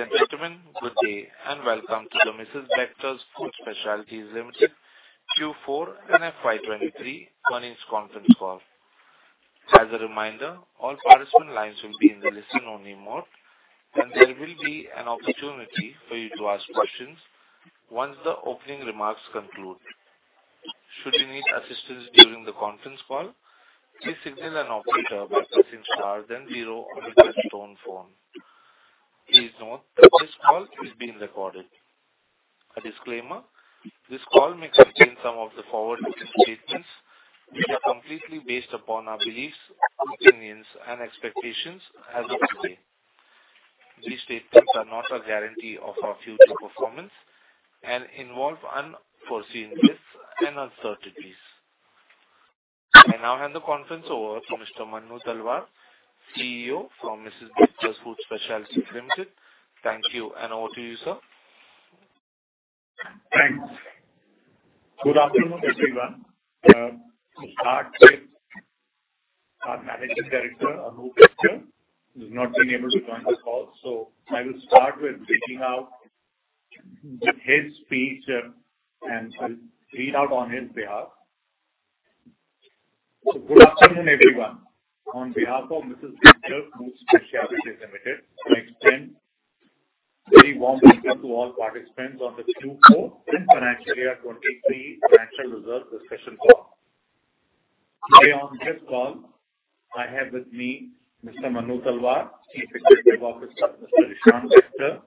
Ladies and gentlemen, good day and welcome to the Mrs. Bectors Food Specialities Limited Q4 and FY 2023 Earnings Conference Call. As a reminder, all participant lines will be in the listen-only mode, and there will be an opportunity for you to ask questions once the opening remarks conclude. Should you need assistance during the conference call, please signal an operator by pressing star then zero on your touch-tone phone. Please note that this call is being recorded. A disclaimer: this call may contain some of the forward-looking statements which are completely based upon our beliefs, opinions, and expectations as of today. These statements are not a guarantee of our future performance and involve unforeseen risks and uncertainties. I now hand the conference over to Mr. Manu Talwar, CEO from Mrs. Bectors Food Specialities Limited. Thank you, and over to you, sir. Thanks. Good afternoon, everyone. To start with, our Managing Director, Anoop Bector, has not been able to join the call, so I will start with reading out his speech and read out on his behalf. So good afternoon, everyone. On behalf of Mrs. Bectors Food Specialities Limited, I extend a very warm welcome to all participants on the Q4 and Financial Year 2023 Financial Results Discussion Call. Today on this call, I have with me Mr. Manu Talwar, Chief Executive Officer; Mr. Ishaan Bector,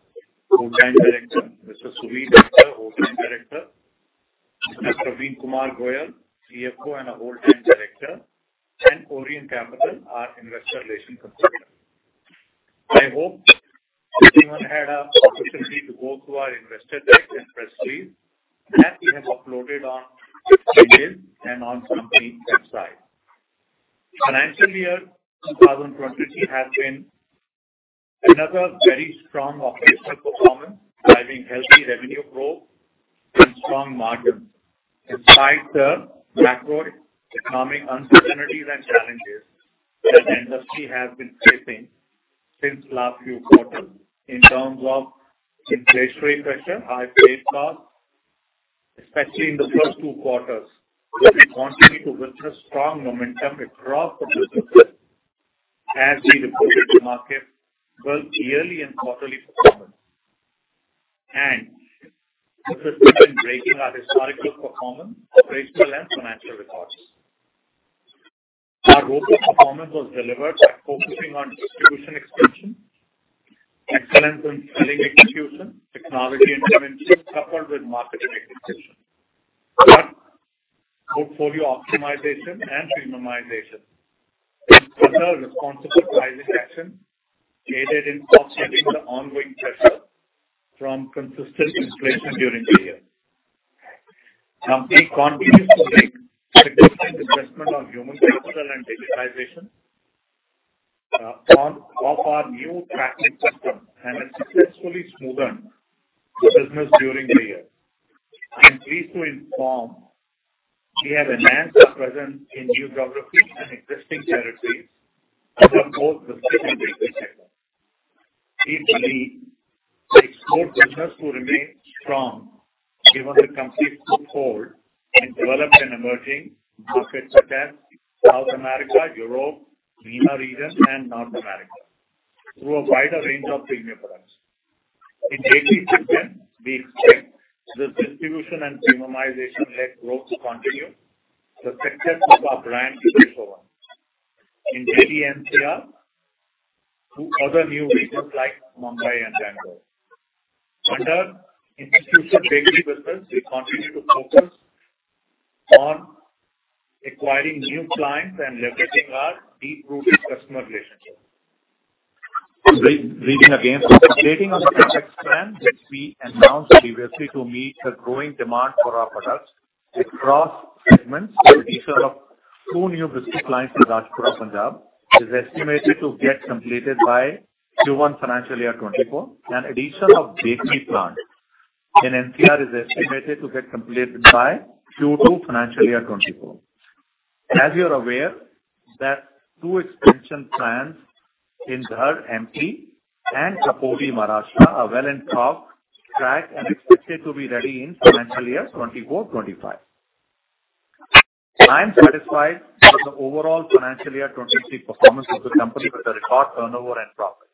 Whole Time Director; Mr. Suvir Bector, Whole Time Director; Mr. Parveen Kumar Goel, CFO and a Whole Time Director; and Orient Capital, our Investor Relations Consultant. I hope everyone had an opportunity to go through our Investor Deck and Press Release that we have uploaded on emails and on the company website. Financial Year 2023 has been another very strong operational performance, driving healthy revenue growth and strong margins. In spite of the macroeconomic uncertainties and challenges that the industry has been facing since the last few quarters in terms of inflationary pressure, high trade costs, especially in the first two quarters, we continue to witness strong momentum across the business sector as we reported the market's both yearly and quarterly performance and persistently breaking our historical performance on personal and financial records. Our robust performance was delivered by focusing on distribution expansion, excellence in selling execution, technology intervention coupled with market-take decisions, product portfolio optimization, and premiumization, and other responsible pricing actions aided in offsetting the ongoing pressure from consistent inflation during the year. The company continues to make significant investments on human capital and digitization of our SFA and has successfully smoothed the business during the year. I am pleased to inform we have enhanced our presence in new geographies and existing territories across both the food and baking sectors. We believe we explore business to remain strong given the company's foothold in developed and emerging markets such as South America, Europe, the MENA region, and North America through a wider range of premium products. In baking sector, we expect the distribution and premiumization-led growth to continue. The sector of our brand is English Oven. In Delhi-NCR, to other new regions like Mumbai and Bengaluru. Under institutional bakery business, we continue to focus on acquiring new clients and leveraging our deep-rooted customer relationships. Reading again, updating on the CapEx plan which we announced previously to meet the growing demand for our products across segments, the addition of two new biscuit lines in Rajpura, Punjab, is estimated to get completed by Q1 Financial Year 2024, and the addition of a bakery plant in NCR is estimated to get completed by Q2 Financial Year 2024. As you're aware, two expansion plans in Dhar, MP, and Khopoli, Maharashtra are well in talk, tracked, and expected to be ready in Financial Year 2024/2025. I am satisfied with the overall Financial Year 2023 performance of the company with the record turnover and profit.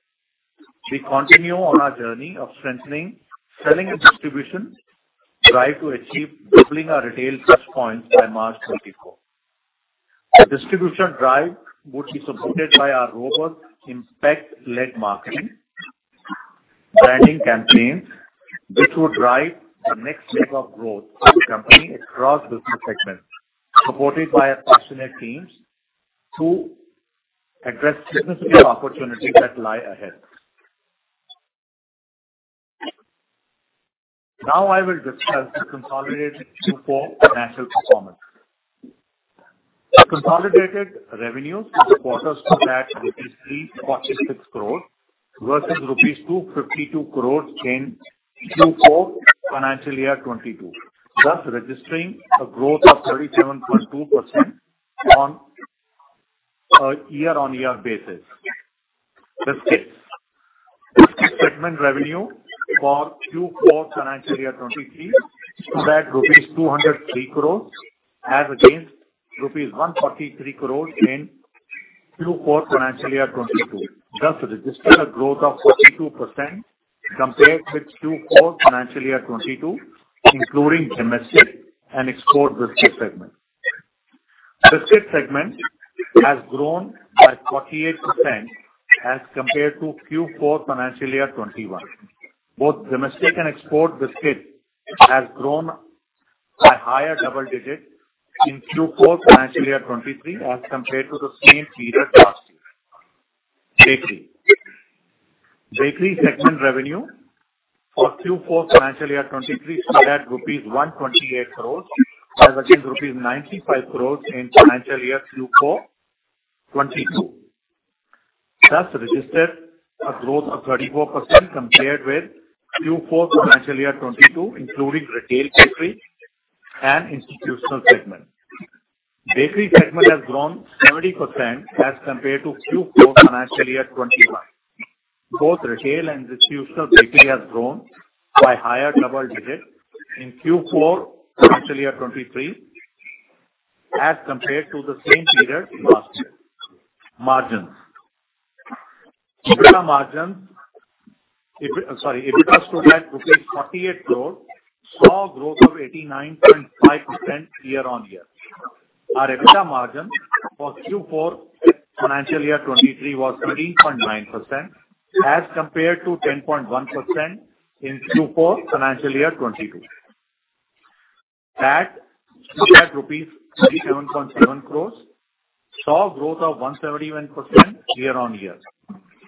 We continue on our journey of strengthening selling and distribution drive to achieve doubling our retail touchpoints by March 2024. The distribution drive would be supported by our robust impact-led marketing branding campaigns, which would drive the next leg of growth of the company across business segments, supported by our passionate teams to address significant opportunities that lie ahead. Now I will discuss the consolidated Q4 financial performance. The consolidated revenues for the quarter tracked rupees 346 crores versus rupees 252 crores in Q4 Financial Year 2022, thus registering a growth of 37.2% on a year-on-year basis. The segment revenue for Q4 Financial Year 2023 tracked rupees 203 crores as against rupees 143 crores in Q4 Financial Year 2022, thus registering a growth of 42% compared with Q4 Financial Year 2022, including domestic and export biscuit segments. The biscuit segment has grown by 48% as compared to Q4 Financial Year 2021. Both domestic and export biscuits have grown by a higher double digit in Q4 FY 2023 as compared to the same period last year. Bakery segment revenue for Q4 FY 2023 tracked rupees 128 crores as against rupees 95 crores in Q4 FY 2022, thus registering a growth of 34% compared with Q4 FY 2022, including retail bakery and institutional segments. The bakery segment has grown 70% as compared to Q4 FY 2021. Both retail and institutional bakery have grown by a higher double digit in Q4 FY 2023 as compared to the same period last year. Margins. EBITDA margins, sorry, EBITDA tracked INR 48 crores saw a growth of 89.5% year-over-year. Our EBITDA margin for Q4 FY 2023 was 13.9% as compared to 10.1% in Q4 FY 2022. That tracked rupees 37.7 crores saw a growth of 171% year-over-year.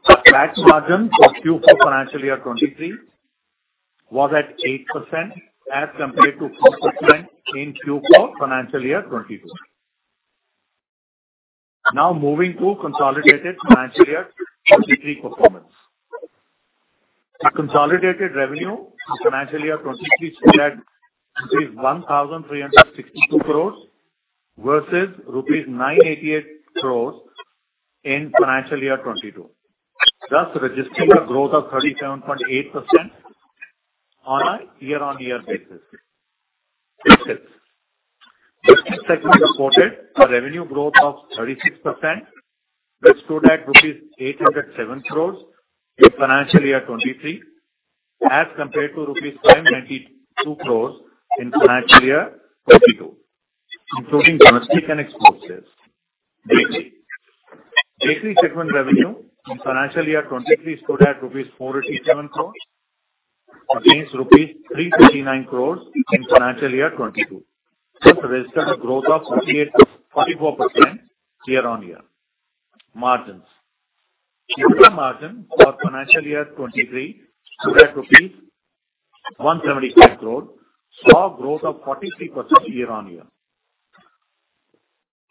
Our tax margin for Q4 Financial Year 23 was at 8% as compared to 4% in Q4 Financial Year 22. Now moving to consolidated Financial Year 23 performance. The consolidated revenue for Financial Year 23 tracked 1,362 crores versus rupees 988 crores in Financial Year 22, thus registering a growth of 37.8% on a year-on-year basis. Biscuit segment reported a revenue growth of 36%, which stood at rupees 807 crores in Financial Year 23 as compared to rupees 592 crores in Financial Year 22, including domestic and export sales. Bakery segment revenue in Financial Year 23 stood at rupees 487 crores against rupees 339 crores in Financial Year 22, thus registering a growth of 44% year-on-year. Margins. EBITDA margin for Financial Year 23 tracked rupees 175 crores saw a growth of 43% year-on-year.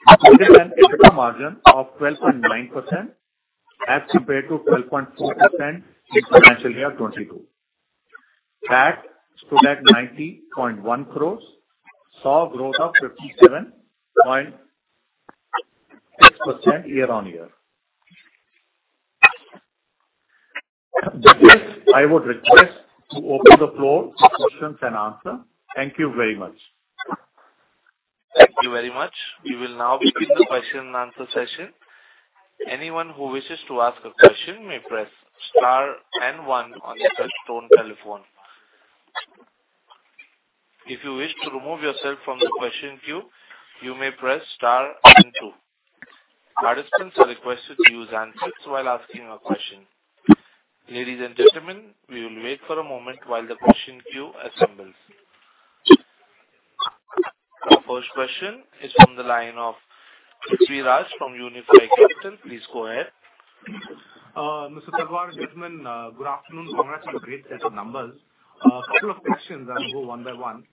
Updated an EBITDA margin of 12.9% as compared to 12.4% in Financial Year 22. That stood at 90.1 crore, saw a growth of 57.6% year-on-year. With this, I would request to open the floor for questions and answers. Thank you very much. Thank you very much. We will now begin the question-and-answer session. Anyone who wishes to ask a question may press star and one on the touch-tone telephone. If you wish to remove yourself from the question queue, you may press star and two. Participants are requested to use handsets while asking a question. Ladies and gentlemen, we will wait for a moment while the question queue assembles. Our first question is from the line of Sooriraj from Unifi Capital. Please go ahead. Mr. Talwar, gentlemen, good afternoon. Congratulations on the numbers. A couple of questions, and I'll go one by one.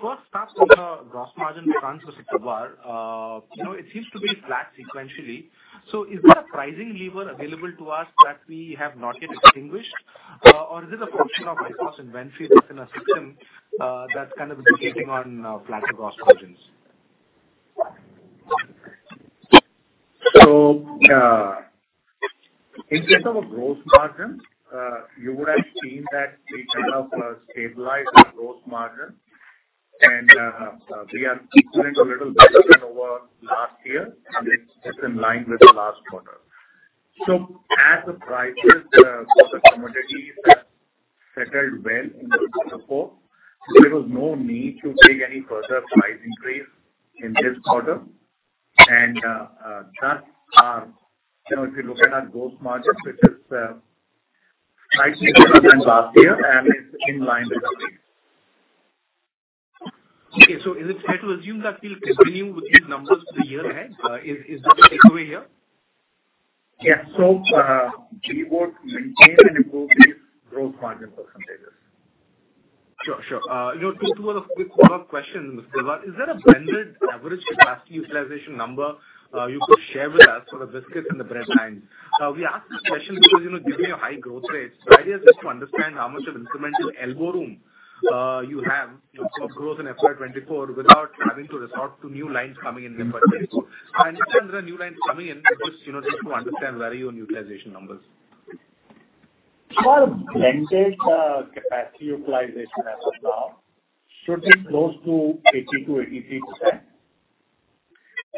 First, starts with the gross margin plans, Mr. Talwar. It seems to be flat sequentially. So is there a pricing lever available to us that we have not yet extinguished, or is it a function of inventory within our system that's kind of indicating on flatter gross margins? In terms of a gross margin, you would have seen that we kind of stabilized our gross margin, and we are equivalent a little better than over last year. It's in line with the last quarter. As the prices for the commodities have settled well in Q4, there was no need to take any further price increase in this quarter. Thus, if you look at our gross margin, which is slightly better than last year, and it's in line with the previous. Okay. So is it fair to assume that we'll continue with these numbers for the year ahead? Is that the takeaway here? Yes. We would maintain and improve these gross margin percentages. Sure, sure. Two other quick follow-up questions, Mr. Talwar. Is there a blended average capacity utilization number you could share with us for the biscuits and the bread lines? We ask this question because given your high growth rates, the idea is just to understand how much of incremental elbow room you have for growth in FY 2024 without having to resort to new lines coming in in FY 2024. I understand there are new lines coming in, but just to understand where are your utilization numbers? What blended capacity utilization as of now should be close to 80%-83%.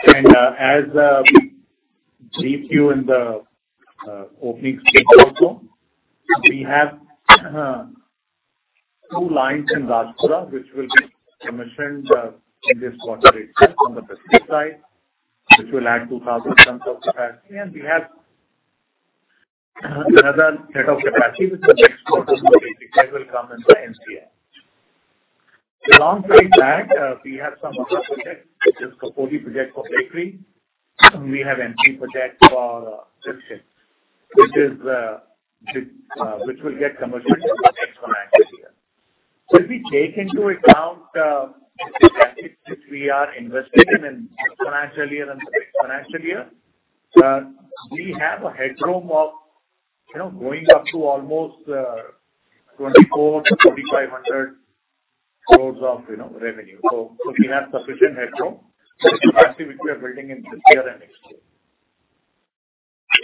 And as briefed you in the opening speech also, we have two lines in Rajpura, which will be commissioned in this quarter itself on the biscuit side, which will add 2,000 tons of capacity. And we have another set of capacity, which in the next quarter will basically come in the NCR. Alongside that, we have some other projects, which is Khopoli project for bakery, and we have MP project for biscuits, which will get commissioned in the next financial year. Should we take into account the capacity which we are investing in the next financial year and the next financial year? We have a headroom of going up to almost 2,400 crore-2,500 crore of revenue. So we have sufficient headroom, the capacity which we are building in this year and next year.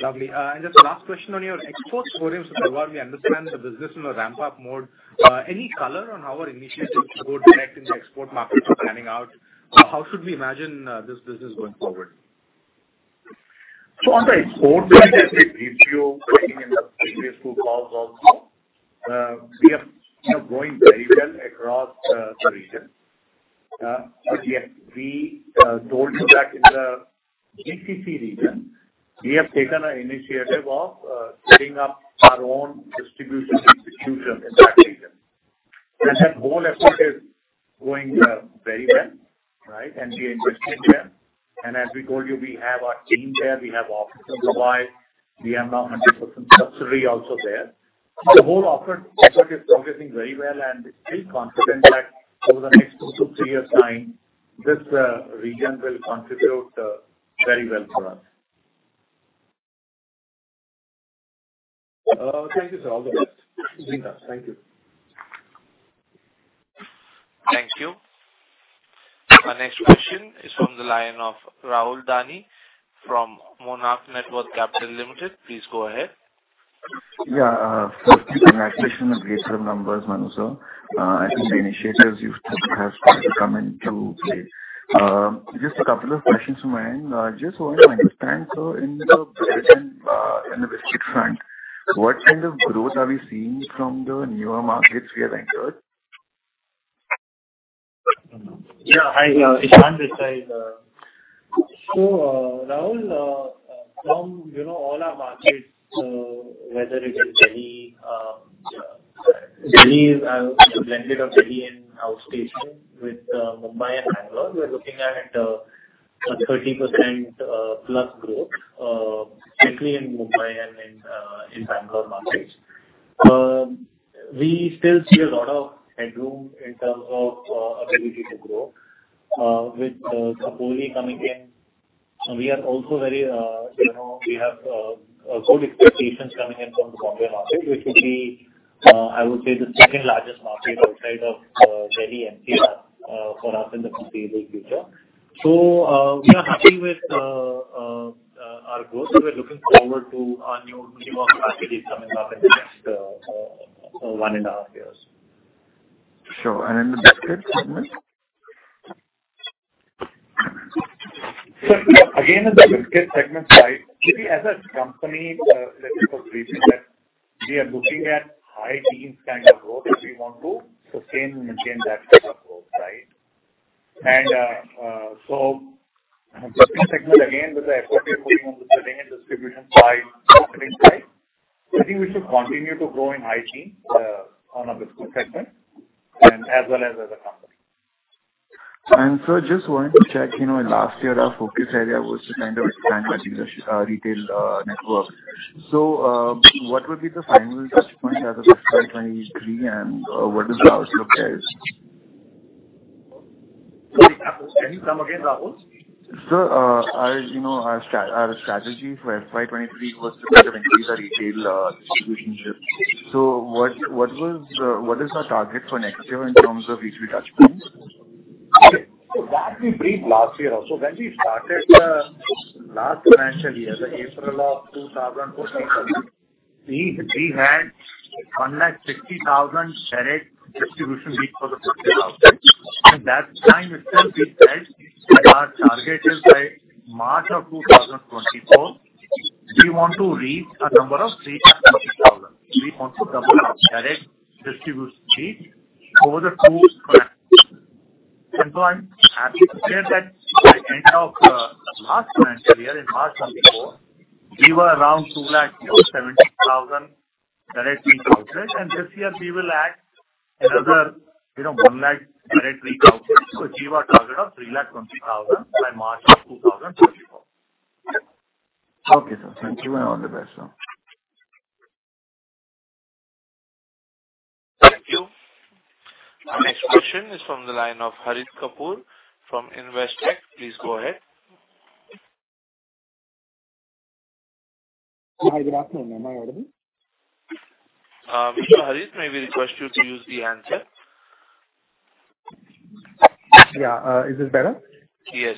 Lovely. Just last question on your exports volume, Mr. Talwar. We understand the business is in a ramp-up mode. Any color on how our initiatives go direct in the export markets are panning out? How should we imagine this business going forward? So on the export, maybe I could brief you, as in the previous two calls also, we are going very well across the region. But yes, we told you that in the GCC region, we have taken an initiative of setting up our own distribution institution in that region. And that whole effort is going very well, right? And we are investing there. And as we told you, we have our team there. We have offices in Dubai. We are now 100% subsidiary also there. So the whole effort is progressing very well, and we're confident that over the next two-three years' time, this region will contribute very well for us. Thank you, sir. All the best. Thank you. Thank you. Our next question is from the line of Rahul Dani from Monarch Networth Capital Limited. Please go ahead. Yeah. First, congratulations on the great firm's numbers, Manu, sir. I think the initiatives you have started to come into play. Just a couple of questions from my end. Just want to understand, sir, in the bread and the biscuit front, what kind of growth are we seeing from the newer markets we have entered? Yeah. Hi, Ishaan is here. So Rahul, from all our markets, whether it is Delhi, the blended of Delhi and outstation with Mumbai and Bangalore, we're looking at a 30%+ growth, particularly in Mumbai and in Bangalore markets. We still see a lot of headroom in terms of ability to grow with Khopoli coming in. We are also very—we have good expectations coming in from the Bombay market, which would be, I would say, the second largest market outside of Delhi and Punjab for us in the foreseeable future. So we are happy with our growth, and we're looking forward to our new multimodal packages coming up in the next one and a half years. Sure. And in the biscuit segment? Sure. Again, in the biscuit segment, right, maybe as a company, let's just brief you that we are looking at high-teens kind of growth, and we want to sustain and maintain that kind of growth, right? And so biscuit segment, again, with the effort we are putting in on the distribution side, marketing side, I think we should continue to grow in high-teens on our biscuit segment as well as as a company. Sir, just wanted to check, in last year, our focus area was to kind of expand our retail network. What would be the final touchpoint as of FY 2023, and what does the outlook bear? Sorry, can you come again, Rahul? Sir, our strategy for FY 2023 was to kind of increase our retail distribution shift. So what is our target for next year in terms of retail touchpoints? Okay. So that we briefed last year also. When we started last financial year, April of 2014, we had 160,000 direct distribution leads for the biscuit house. At that time itself, we said that our target is by March of 2024, we want to reach a number of 320,000. We want to double our direct distribution leads over the two financial years. And so I'm happy to share that by the end of last financial year, in March 2024, we were around 270,000 direct leads outlets. And this year, we will add another 100 direct leads outlets. So we have a target of 320,000 by March of 2024. Okay, sir. Thank you, and all the best, sir. Thank you. Our next question is from the line of Harit Kapoor from Investec. Please go ahead. Hi. Good afternoon. Am I audible? Mr. Harit, may we request you to use the answer? Yeah. Is this better? Yes.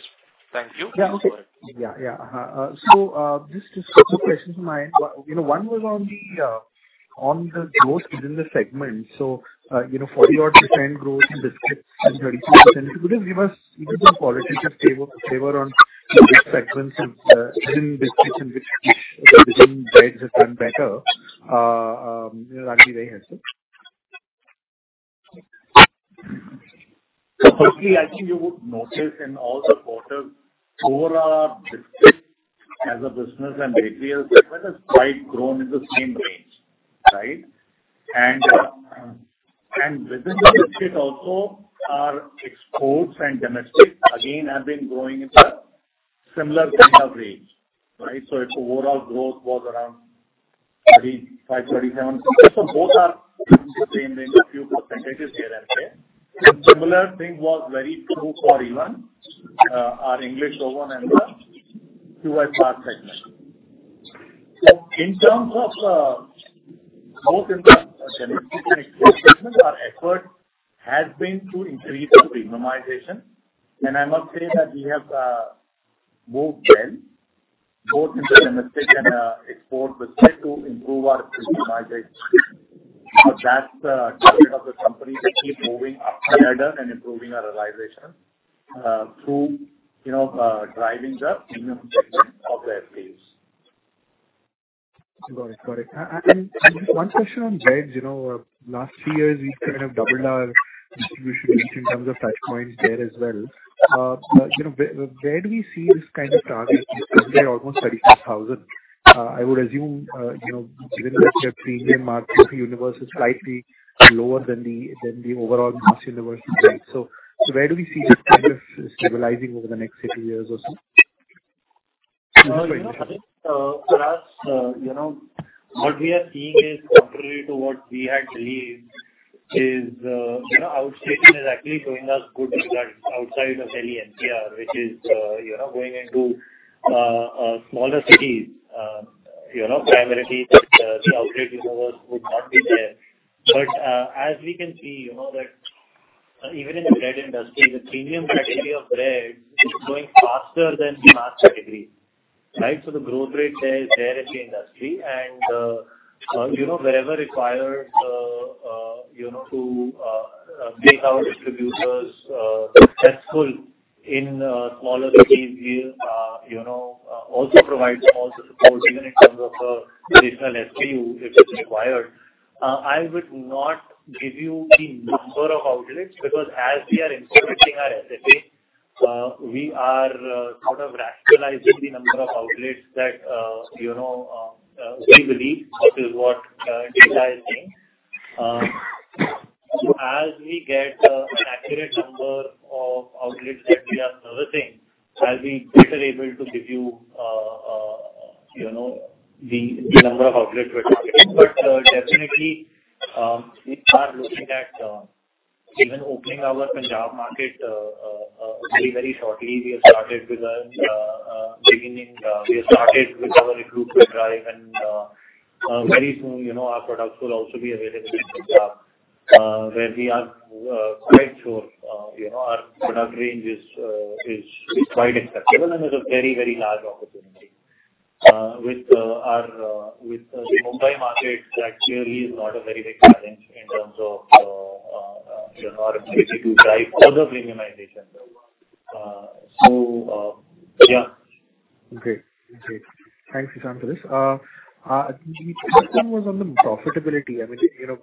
Thank you. So just a couple of questions from my end. One was on the growth within the segment. So 40-odd% growth in biscuits and 32%. If you could just give us, you could just qualitatively favor on which segments within biscuits and which within breads have done better, that'd be very helpful. Hopefully, I think you would notice in all the quarters, overall, our biscuits as a business and bakery as a segment has quite grown in the same range, right? And within the biscuit also, our exports and domestic, again, have been growing in a similar kind of range, right? So if overall growth was around 35%-37%, so both are in the same range, a few percentages here and there. And similar thing was very true for even our English Oven and QSR segment. In terms of both in the domestic and export segments, our effort has been to increase the premiumization. And I must say that we have moved well, both in the domestic and export biscuit, to improve our premiumization. So that's the target of the company, to keep moving up the ladder and improving our realization through driving the premium segment of the SKUs. Got it. Got it. One question on breads. Last few years, we've kind of doubled our distribution reach in terms of touchpoints there as well. Where do we see this kind of target? We're almost 35,000. I would assume, given that your premium market universe is slightly lower than the overall mass universe in breads. So where do we see this kind of stabilizing over the next six years or so? So for us, what we are seeing is, contrary to what we had believed, is outstation is actually doing us good regarding outside of Delhi and PR, which is going into smaller cities, primarily that the outlet universe would not be there. But as we can see that even in the bread industry, the premium category of bread is going faster than the mass category, right? So the growth rate there is rare in the industry. And wherever required to make our distributors successful in smaller cities, we also provide them all the support, even in terms of additional SKU if it's required. I would not give you the number of outlets because as we are implementing our SFA, we are sort of rationalizing the number of outlets that we believe is what data is saying. As we get an accurate number of outlets that we are servicing, I'll be better able to give you the number of outlets we're targeting. But definitely, we are looking at even opening our Punjab market very, very shortly. We have started with our recruitment drive, and very soon, our products will also be available in Punjab, where we are quite sure our product range is quite acceptable and is a very, very large opportunity. With the Mumbai market, that clearly is not a very big challenge in terms of our ability to drive further premiumization. So yeah. Great. Great. Thanks, Ishaan, for this. The next one was on the profitability. I mean,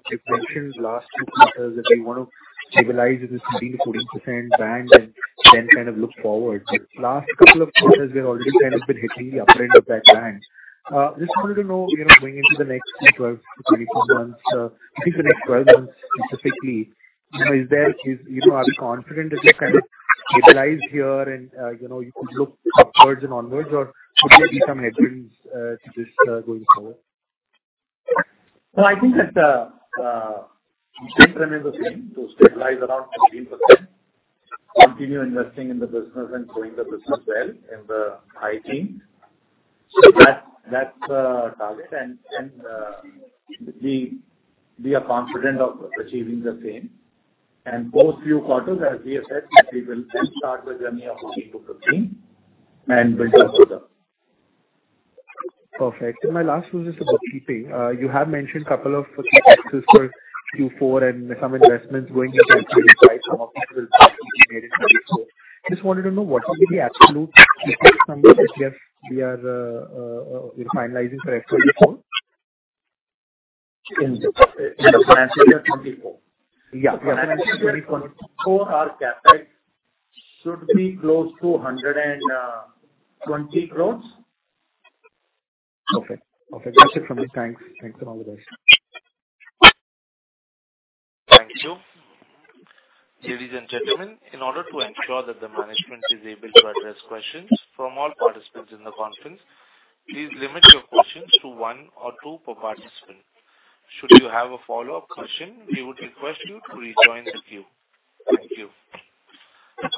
you've mentioned last two quarters that we want to stabilize in this 15%-14% band and then kind of look forward. But last couple of quarters, we've already kind of been hitting the upper end of that band. Just wanted to know, going into the next 12 to 24 months, I think the next 12 months specifically, are we confident that you've kind of stabilized here and you could look upwards and onwards, or would there be some headwinds to this going forward? Well, I think that the improvement will be to stabilize around 15%, continue investing in the business, and growing the business well in the high teens. So that's our target, and we are confident of achieving the same. And post few quarters, as we have said, we will then start the journey of 15-15 and build up further. Perfect. And my last was just about keeping. You have mentioned a couple of key factors for Q4 and some investments going into FY 2025. Some of these will be made in FY 2024. Just wanted to know, what would be the absolute key factors from which we are finalizing for FY 2024? In the Financial Year 2024? Yeah. Yeah. Financial year 2024, our Capex should be close to 120 crore. Perfect. Perfect. That's it from me. Thanks. Thanks, and all the best. Thank you. Ladies and gentlemen, in order to ensure that the management is able to address questions from all participants in the conference, please limit your questions to one or two per participant. Should you have a follow-up question, we would request you to rejoin the queue. Thank you.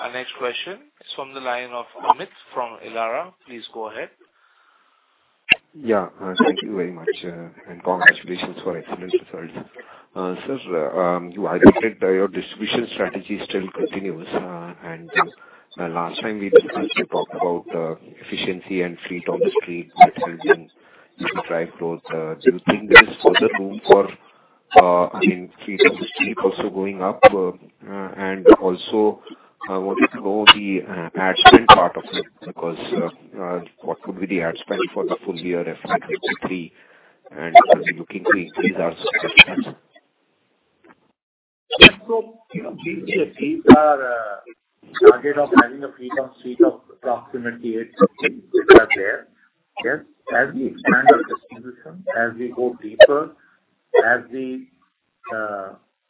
Our next question is from the line of Amit from Elara. Please go ahead. Yeah. Thank you very much, and congratulations for excellent results. Sir, you highlighted that your distribution strategy still continues. Last time we discussed, we talked about efficiency and fleet on the street that helping you to drive growth. Do you think there is further room for, I mean, fleet on the street also going up? And also, I wanted to know the ad spend part of it because what would be the ad spend for the full year FY 2023, and are we looking to increase our subscriptions? Yes. So basically, if we are target of having a fleet on the street of approximately 800,000, if that's there, yes, as we expand our distribution, as we go deeper, as we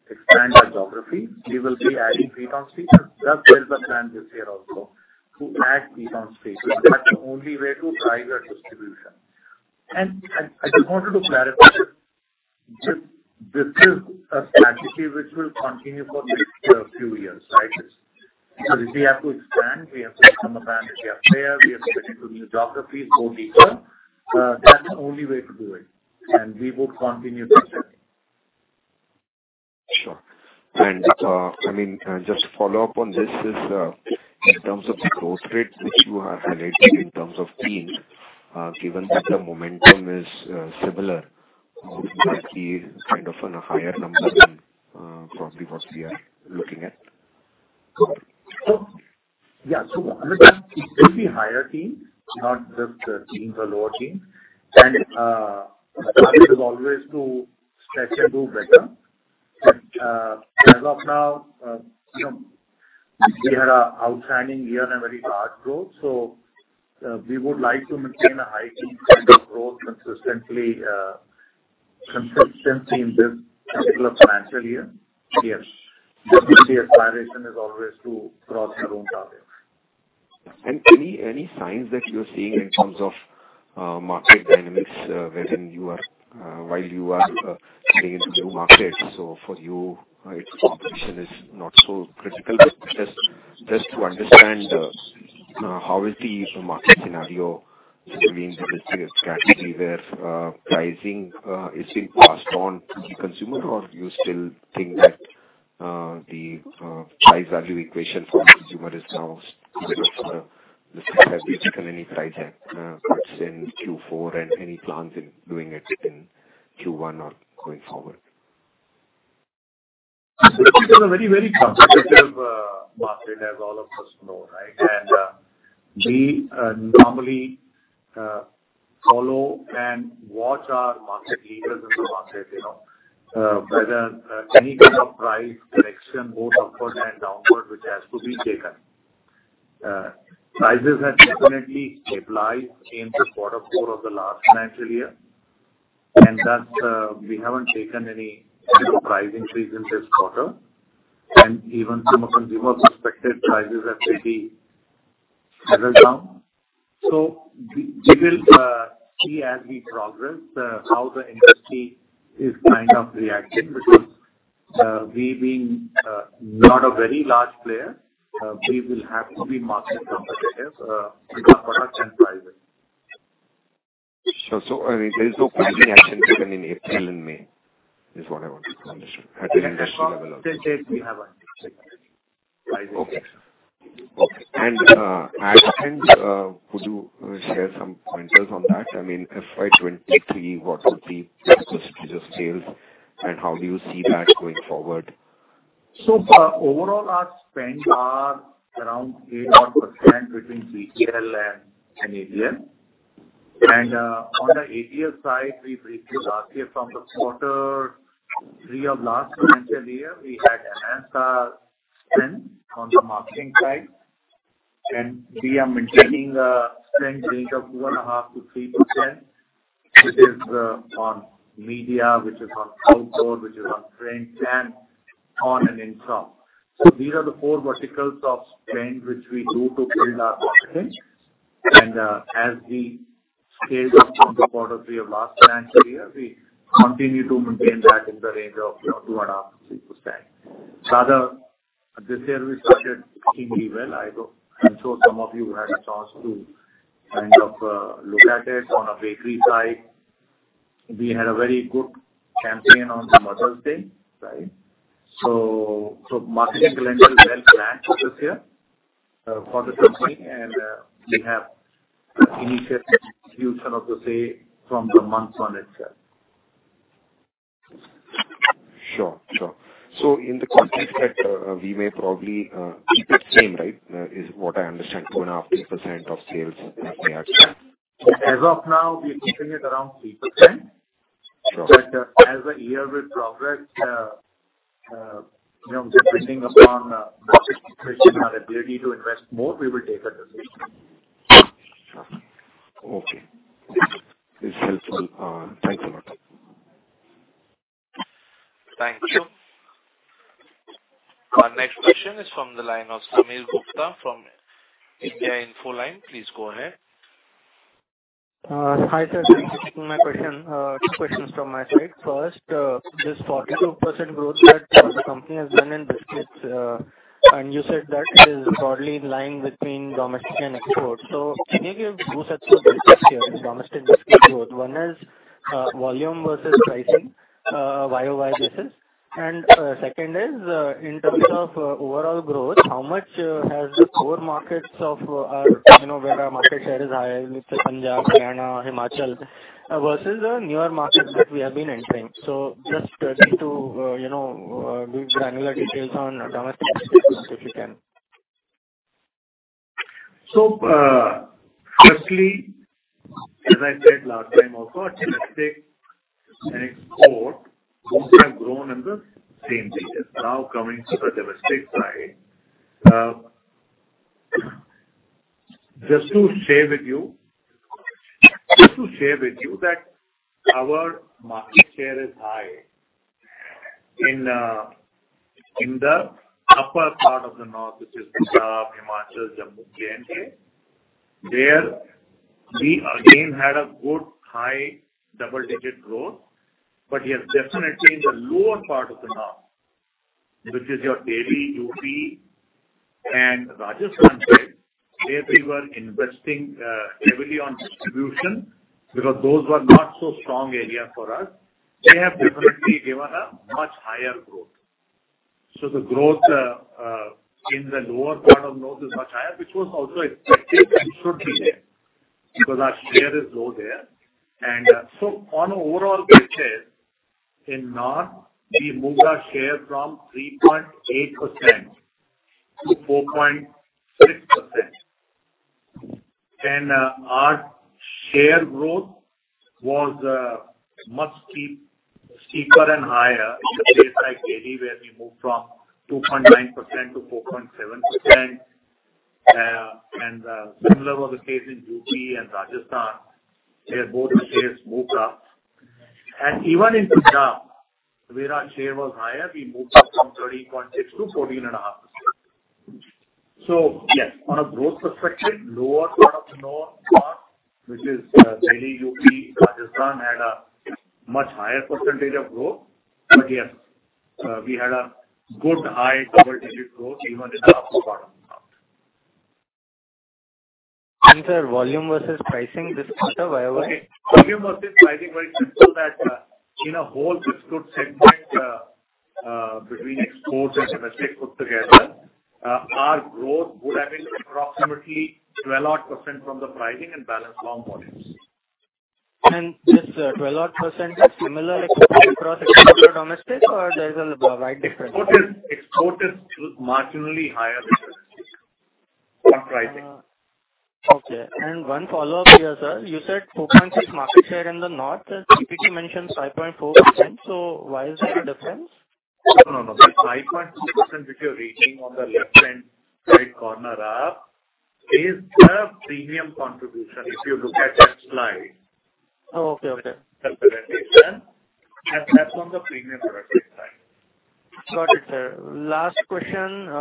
expand our geography, we will be adding fleet on the street. And thus, there's a plan this year also to add fleet on the street. That's the only way to drive our distribution. And I just wanted to clarify that this is a strategy which will continue for the next few years, right? Because if we have to expand, we have to become a brand. If we are there, we have to get into new geographies, go deeper. That's the only way to do it, and we would continue to expand. Sure. I mean, just to follow up on this, in terms of the growth rate which you have highlighted in terms of teams, given that the momentum is similar, wouldn't that be kind of a higher number than probably what we are looking at? Yeah. So understand, it will be higher teens, not just the teens or lower teens. The target is always to stretch and do better. As of now, we had an outstanding year and very large growth. So we would like to maintain a high-teens kind of growth consistently in this particular financial year. Yes. Definitely, the aspiration is always to cross our own targets. Any signs that you're seeing in terms of market dynamics while you are getting into new markets? For you, its competition is not so critical. Just to understand, how is the market scenario between the distributed strategy where pricing is being passed on to the consumer, or do you still think that the price-value equation for the consumer is now given us from the listing? Have you taken any price cuts in Q4 and any plans in doing it in Q1 or going forward? This is a very, very competitive market, as all of us know, right? And we normally follow and watch our market leaders in the market, whether any kind of price correction, both upward and downward, which has to be taken. Prices have definitely stabilized in the quarter four of the last financial year. And thus, we haven't taken any price increase in this quarter. And even from a consumer perspective, prices have pretty settled down. So we will see, as we progress, how the industry is kind of reacting because we being not a very large player, we will have to be market competitive on our products and prices. Sure. So I mean, there is no pricing action taken in April and May, is what I wanted to understand at the industry level also. At this date, we haven't taken any pricing action. Okay. And ad spend, would you share some pointers on that? I mean, FY 2023, what would be the percentage of sales, and how do you see that going forward? So far, overall, our spend is around 8%-odd between BTL and ATL. On the ATL side, we previewed last year from quarter three of last financial year, we had ad spend on the marketing side. We are maintaining a spend range of 2.5%-3%, which is on media, which is on outdoor, which is on print, and on in-shop. So these are the four verticals of spend which we do to build our marketing. As we scaled up from quarter three of last financial year, we continue to maintain that in the range of 2.5%-3%. Rather, this year, we started seeing really well. I'm sure some of you had a chance to kind of look at it on the bakery side. We had a very good campaign on Mother's Day, right? Marketing calendar is well planned this year for the company, and we have initiated distribution of the sale from the month one itself. Sure. Sure. So in the context that we may probably keep it same, right, is what I understand, 2.5%-3% of sales as they are expected? As of now, we're keeping it around 3%. But as the year will progress, depending upon market situation, our ability to invest more, we will take a decision. Sure. Sure. Okay. This is helpful. Thanks a lot. Thank you. Our next question is from the line of Sameer Gupta from India Infoline. Please go ahead. Hi sir. Thank you for my question. Two questions from my side. First, this 42% growth that the company has done in biscuits, and you said that is broadly in line between domestic and export. So can you give two sets of data here in domestic biscuit growth? One is volume versus pricing YOY basis. And second is, in terms of overall growth, how much has the core markets of where our market share is higher, let's say Punjab, Haryana, Himachal, versus the newer markets that we have been entering? So just to give you granular details on domestic biscuit growth, if you can. Firstly, as I said last time also, our domestic and export both have grown in the same region. Now, coming to the domestic side, just to share with you that our market share is high in the upper part of the north, which is Punjab, Himachal, Jammu, J&K. There, we again had a good high double-digit growth. But yes, definitely, in the lower part of the north, which is your Delhi, UP, and Rajasthan side, where we were investing heavily on distribution because those were not so strong areas for us, they have definitely given us much higher growth. The growth in the lower part of the north is much higher, which was also expected and should be there because our share is low there. So, on overall basis, in north, we moved our share from 3.8%-4.6%. Our share growth was much steeper and higher in the states like Delhi, where we moved from 2.9% to 4.7%. Similar was the case in UP and Rajasthan. There, both shares moved up. Even in Punjab, where our share was higher, we moved up from 30.6% to 14.5%. So yes, on a growth perspective, lower part of the north, which is Delhi, UP, Rajasthan, had a much higher percentage of growth. But yes, we had a good high double-digit growth even in the upper part of the north. Sir, volume versus pricing this quarter, why was? Okay. Volume versus pricing, very simple, that in a whole biscuit segment between export and domestic put together, our growth would have been approximately 12-odd% from the pricing and balanced long volumes. This 12-odd%, is it similar across export or domestic, or there is a wide difference? Both. Export is marginally higher than domestic on pricing. Okay. One follow-up here, sir. You said 4.6% market share in the north. GPT mentions 5.4%. Why is there a difference? No, no, no. The 5.2% which you're reading on the left-hand side corner up is the premium contribution if you look at that slide. Oh, okay. Okay. That's on the premium product side. Got it, sir. Last question.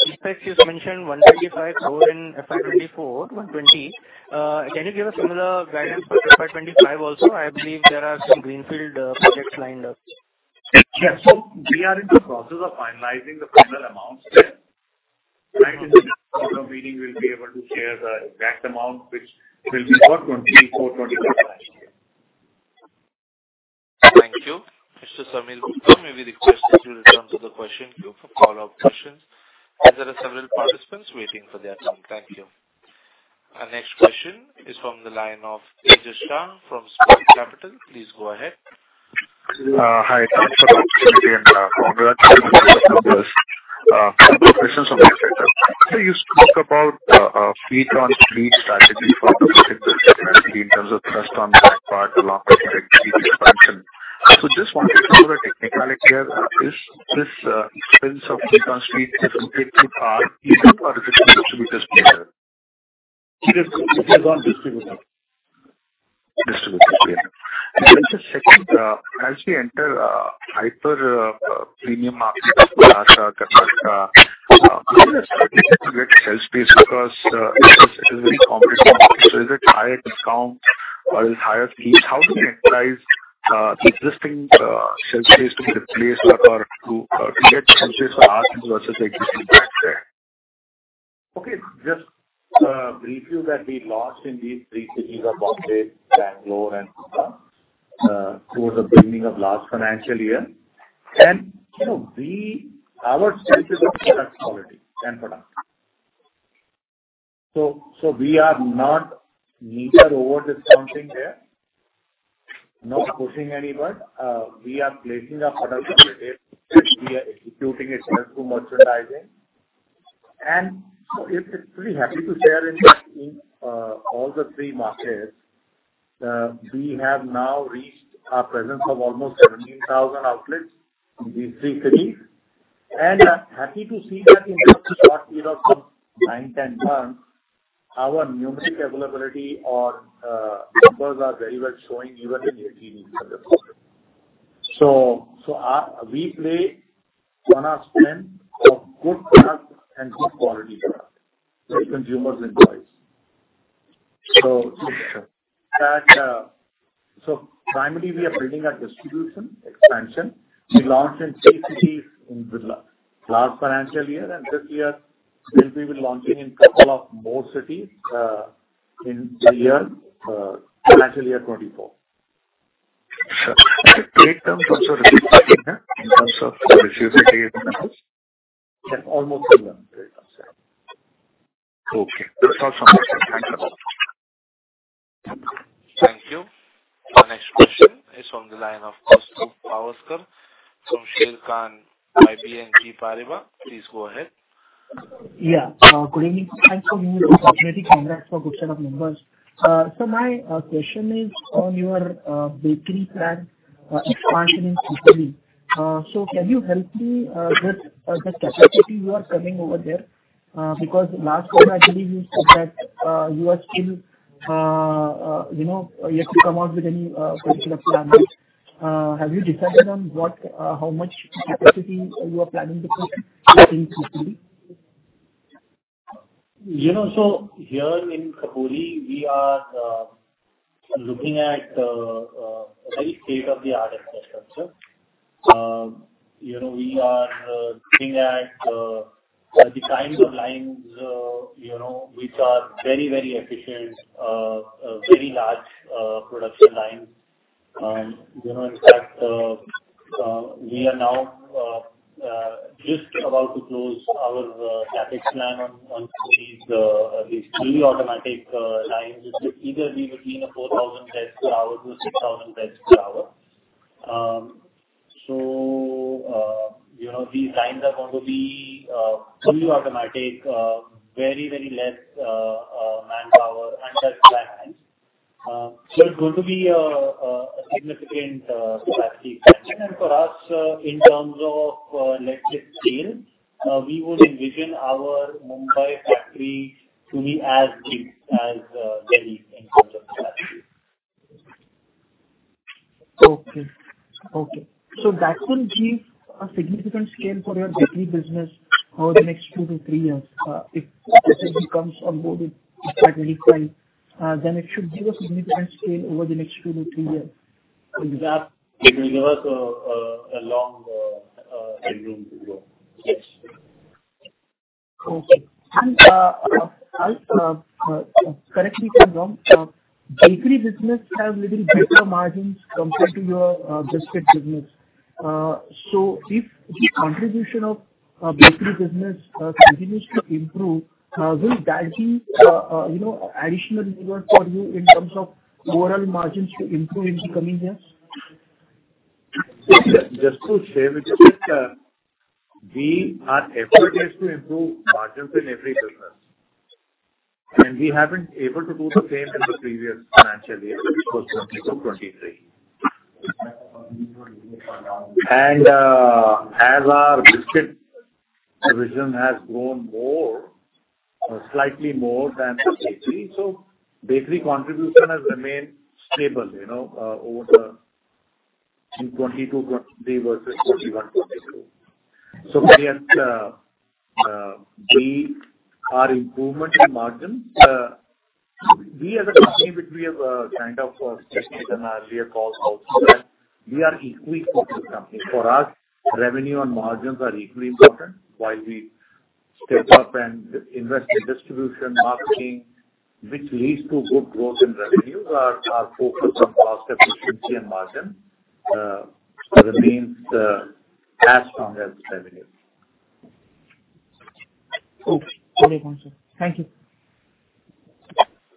Key factors you've mentioned, INR 125 crore in FY 2024, 120 crore. Can you give a similar guidance for FY 2025 also? I believe there are some greenfield projects lined up. Yes. Yes. So we are in the process of finalizing the final amounts there, right? In the next quarter meeting, we'll be able to share the exact amount which will be for 2024, 2025 financial year. Thank you. Mr. Sameer Gupta, may we request that you return to the question queue for follow-up questions? As there are several participants waiting for their time. Thank you. Our next question is from the line of Ajay Shah from Smart Capital. Please go ahead. Hi. Thanks for the opportunity, and congratulations on your numbers. A couple of questions on that, sir. Sir, you spoke about a fleet-on-fleet strategy for domestic biscuits, especially in terms of thrust on the backend along with fleet expansion. So just wanted to know the technicality here. Is this expense of fleet-on-fleet differently through capex, even or is it through distributors latter? It is on distributors. Distributors later. Just a second, as we enter hyper-premium markets like Maharashtra, Karnataka, is there a strategy to get shelf space because it is a very competitive market? So is it higher discounts, or is it higher fees? How do we leverage the existing shelf space to be replaced or to get shelf space for our brands versus the existing brands there? Okay. Just to brief you, that we launched in these three cities of Mumbai, Bengaluru, and Punjab towards the beginning of last financial year. Our sales is on product quality and product. So we are not neither over-discounting there, not pushing anybody. We are placing our product on the table. We are executing it through merchandising. So it's pretty happy to share in that in all the three markets, we have now reached our presence of almost 17,000 outlets in these three cities. Happy to see that in just a short period of time, nine, 10 months, our numeric availability or numbers are very well showing even in 18 weeks of the quarter. So we play on our strength of good product and good quality product with consumers' invoice. Primarily, we are building our distribution expansion. We launched in three cities in last financial year. This year, we will be launching in a couple of more cities in the financial year 2024. Sure. Is it trade terms also in terms of the distributor data? Yes, almost similar, trade terms, yes. Okay. That's all from my side. Thanks a lot. Thank you. Our next question is from the line of Mr. Pawaskar from Sharekhan, BNP Paribas. Please go ahead. Yeah. Good evening. Thanks for giving me this opportunity. Congrats for a good set of numbers. My question is on your bakery plant expansion in Q3. Can you help me with the capacity you are coming over there? Because last quarter, I believe you said that you are still yet to come out with any particular plan. Have you decided on how much capacity you are planning to put in Q3? So here in Khopoli, we are looking at a very state-of-the-art infrastructure. We are looking at the kind of lines which are very, very efficient, very large production lines. In fact, we are now just about to close our CapEx plan on these fully automatic lines. It's either be between a 4,000-bed per hour to a 6,000-bed per hour. So these lines are going to be fully automatic, very, very less manpower, and that's by hand. So it's going to be a significant capacity expansion. And for us, in terms of electric scale, we would envision our Mumbai factory to be as big as Delhi in terms of capacity. Okay. Okay. So that will give a significant scale for your bakery business over the next two to three years. If SMB comes on board in FY 2025, then it should give a significant scale over the next two to three years. Yeah. It will give us a long headroom to grow. Yes. Okay. And correct me if I'm wrong. Bakery business has a little better margins compared to your biscuit business. So if the contribution of bakery business continues to improve, will that be additional reward for you in terms of overall margins to improve in the coming years? Just to share with you, sir, our effort is to improve margins in every business. We haven't been able to do the same in the previous financial year, which was 2022, 2023. As our biscuit division has grown slightly more than the bakery, so bakery contribution has remained stable in 2022, 2023 versus 2021, 2022. We are improving in margins. We, as a company, which we have kind of stated in our earlier calls also, that we are equally important companies. For us, revenue and margins are equally important. While we step up and invest in distribution, marketing, which leads to good growth in revenues, our focus on cost efficiency and margin remains as strong as revenue. Okay. Good point, sir. Thank you.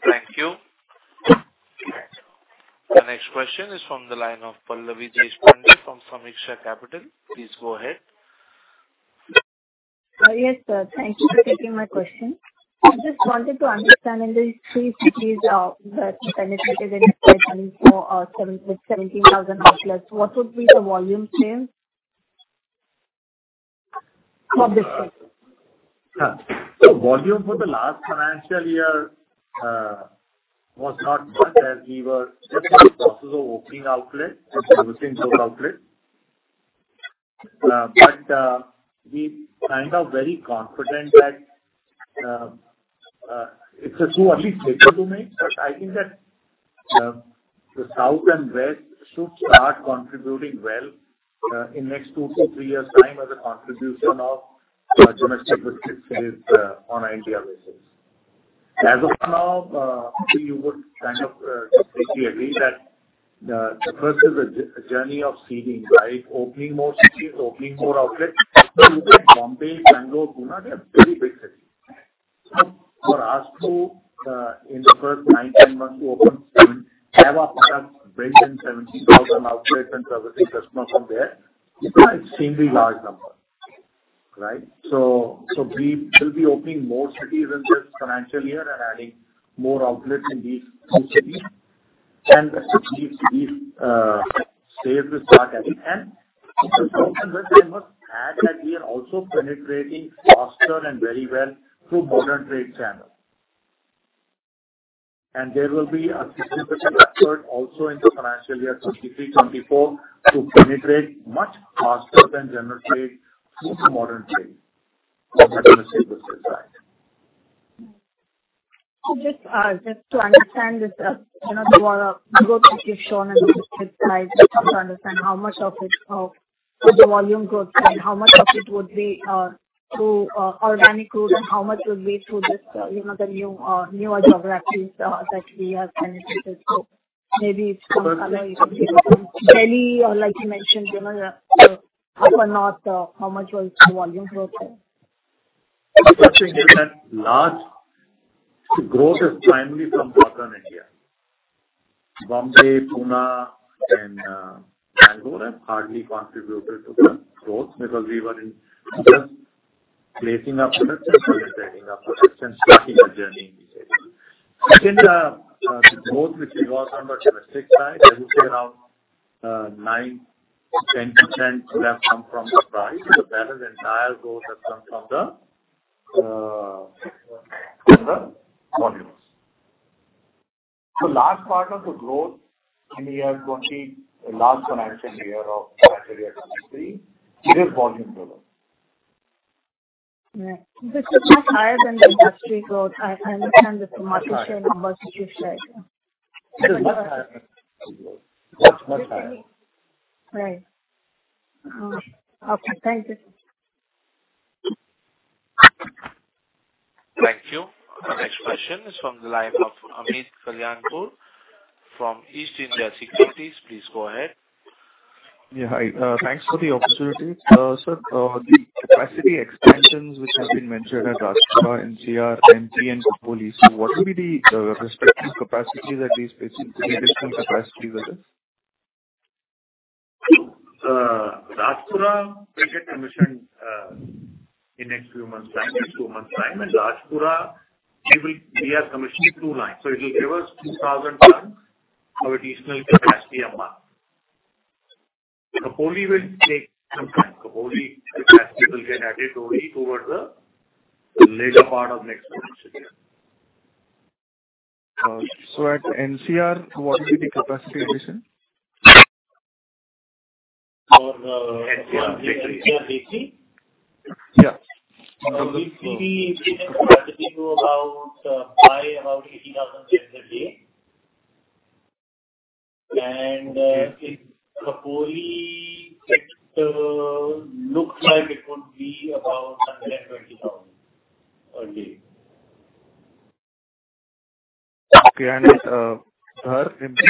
Thank you. Our next question is from the line of Pallavi Deshpande from Sameeksha Capital. Please go ahead. Yes, sir. Thank you for taking my question. I just wanted to understand, in these three cities, the benefit is in FY 2024 with 17,000 outlets. What would be the volume sales for biscuits? So volume for the last financial year was not much as we were just in the process of opening outlets and producing those outlets. But we're kind of very confident that it's a too early stage to make. But I think that the south and west should start contributing well in the next two to three years' time as a contribution of domestic biscuit sales on an India basis. As of now, you would kind of agree that the first is a journey of seeding, right? Opening more cities, opening more outlets. Mumbai, Bengaluru, Pune, they are very big cities. So for us to, in the first nine to 10 months, to open seven, have our products built in 17,000 outlets and servicing customers from there, it's an extremely large number, right? So we will be opening more cities in this financial year and adding more outlets in these two cities. These sales will start at the end. The south and west, I must add, that we are also penetrating faster and very well through Modern Trade channels. There will be a significant effort also in the financial year 2023, 2024 to penetrate much faster than general trade through the Modern Trade on the domestic biscuit side. Just to understand this, the growth that you've shown on the biscuit side, just to understand how much of the volume growth and how much of it would be through organic growth and how much would be through the newer geographies that we have penetrated. Maybe from Anoop you can give Delhi, or like you mentioned, the upper north, how much was the volume growth there? The first thing is that the growth is primarily from northern India. Mumbai, Pune, and Bengaluru have hardly contributed to the growth because we were just placing our products and penetrating our products and starting a journey in these areas. In the growth which we lost on the domestic side, I would say around 9%-10% left comes from the price. The better entire growth has come from the volumes. So the last part of the growth in the last financial year of financial year 2023, it is volume growth. Right. Which is much higher than the industry growth. I understand this from market share numbers that you've shared. It is much higher than industry growth. Much, much higher. Right. Okay. Thank you. Thank you. Our next question is from the line of Amit Kumar from East India Securities. Please go ahead. Yeah. Hi. Thanks for the opportunity. Sir, the capacity expansions which have been mentioned at Rajpura, NCR, MT, and Khopoli, so what will be the respective capacities at these different capacities? Rajpura, we get commissioning in the next few months, nine to 12 months' time. Rajpura, we are commissioning two lines. It will give us 2,000 tons of additional capacity a month. Khopoli will take some time. Khopoli capacity will get added only towards the later part of next financial year. At NCR, what will be the capacity addition? For NCR, BC? Yeah. For BC, we expected to go by about 80,000 tons a day. In Khopoli, it looks like it would be about 120,000 a day. Okay. Dhar, MT?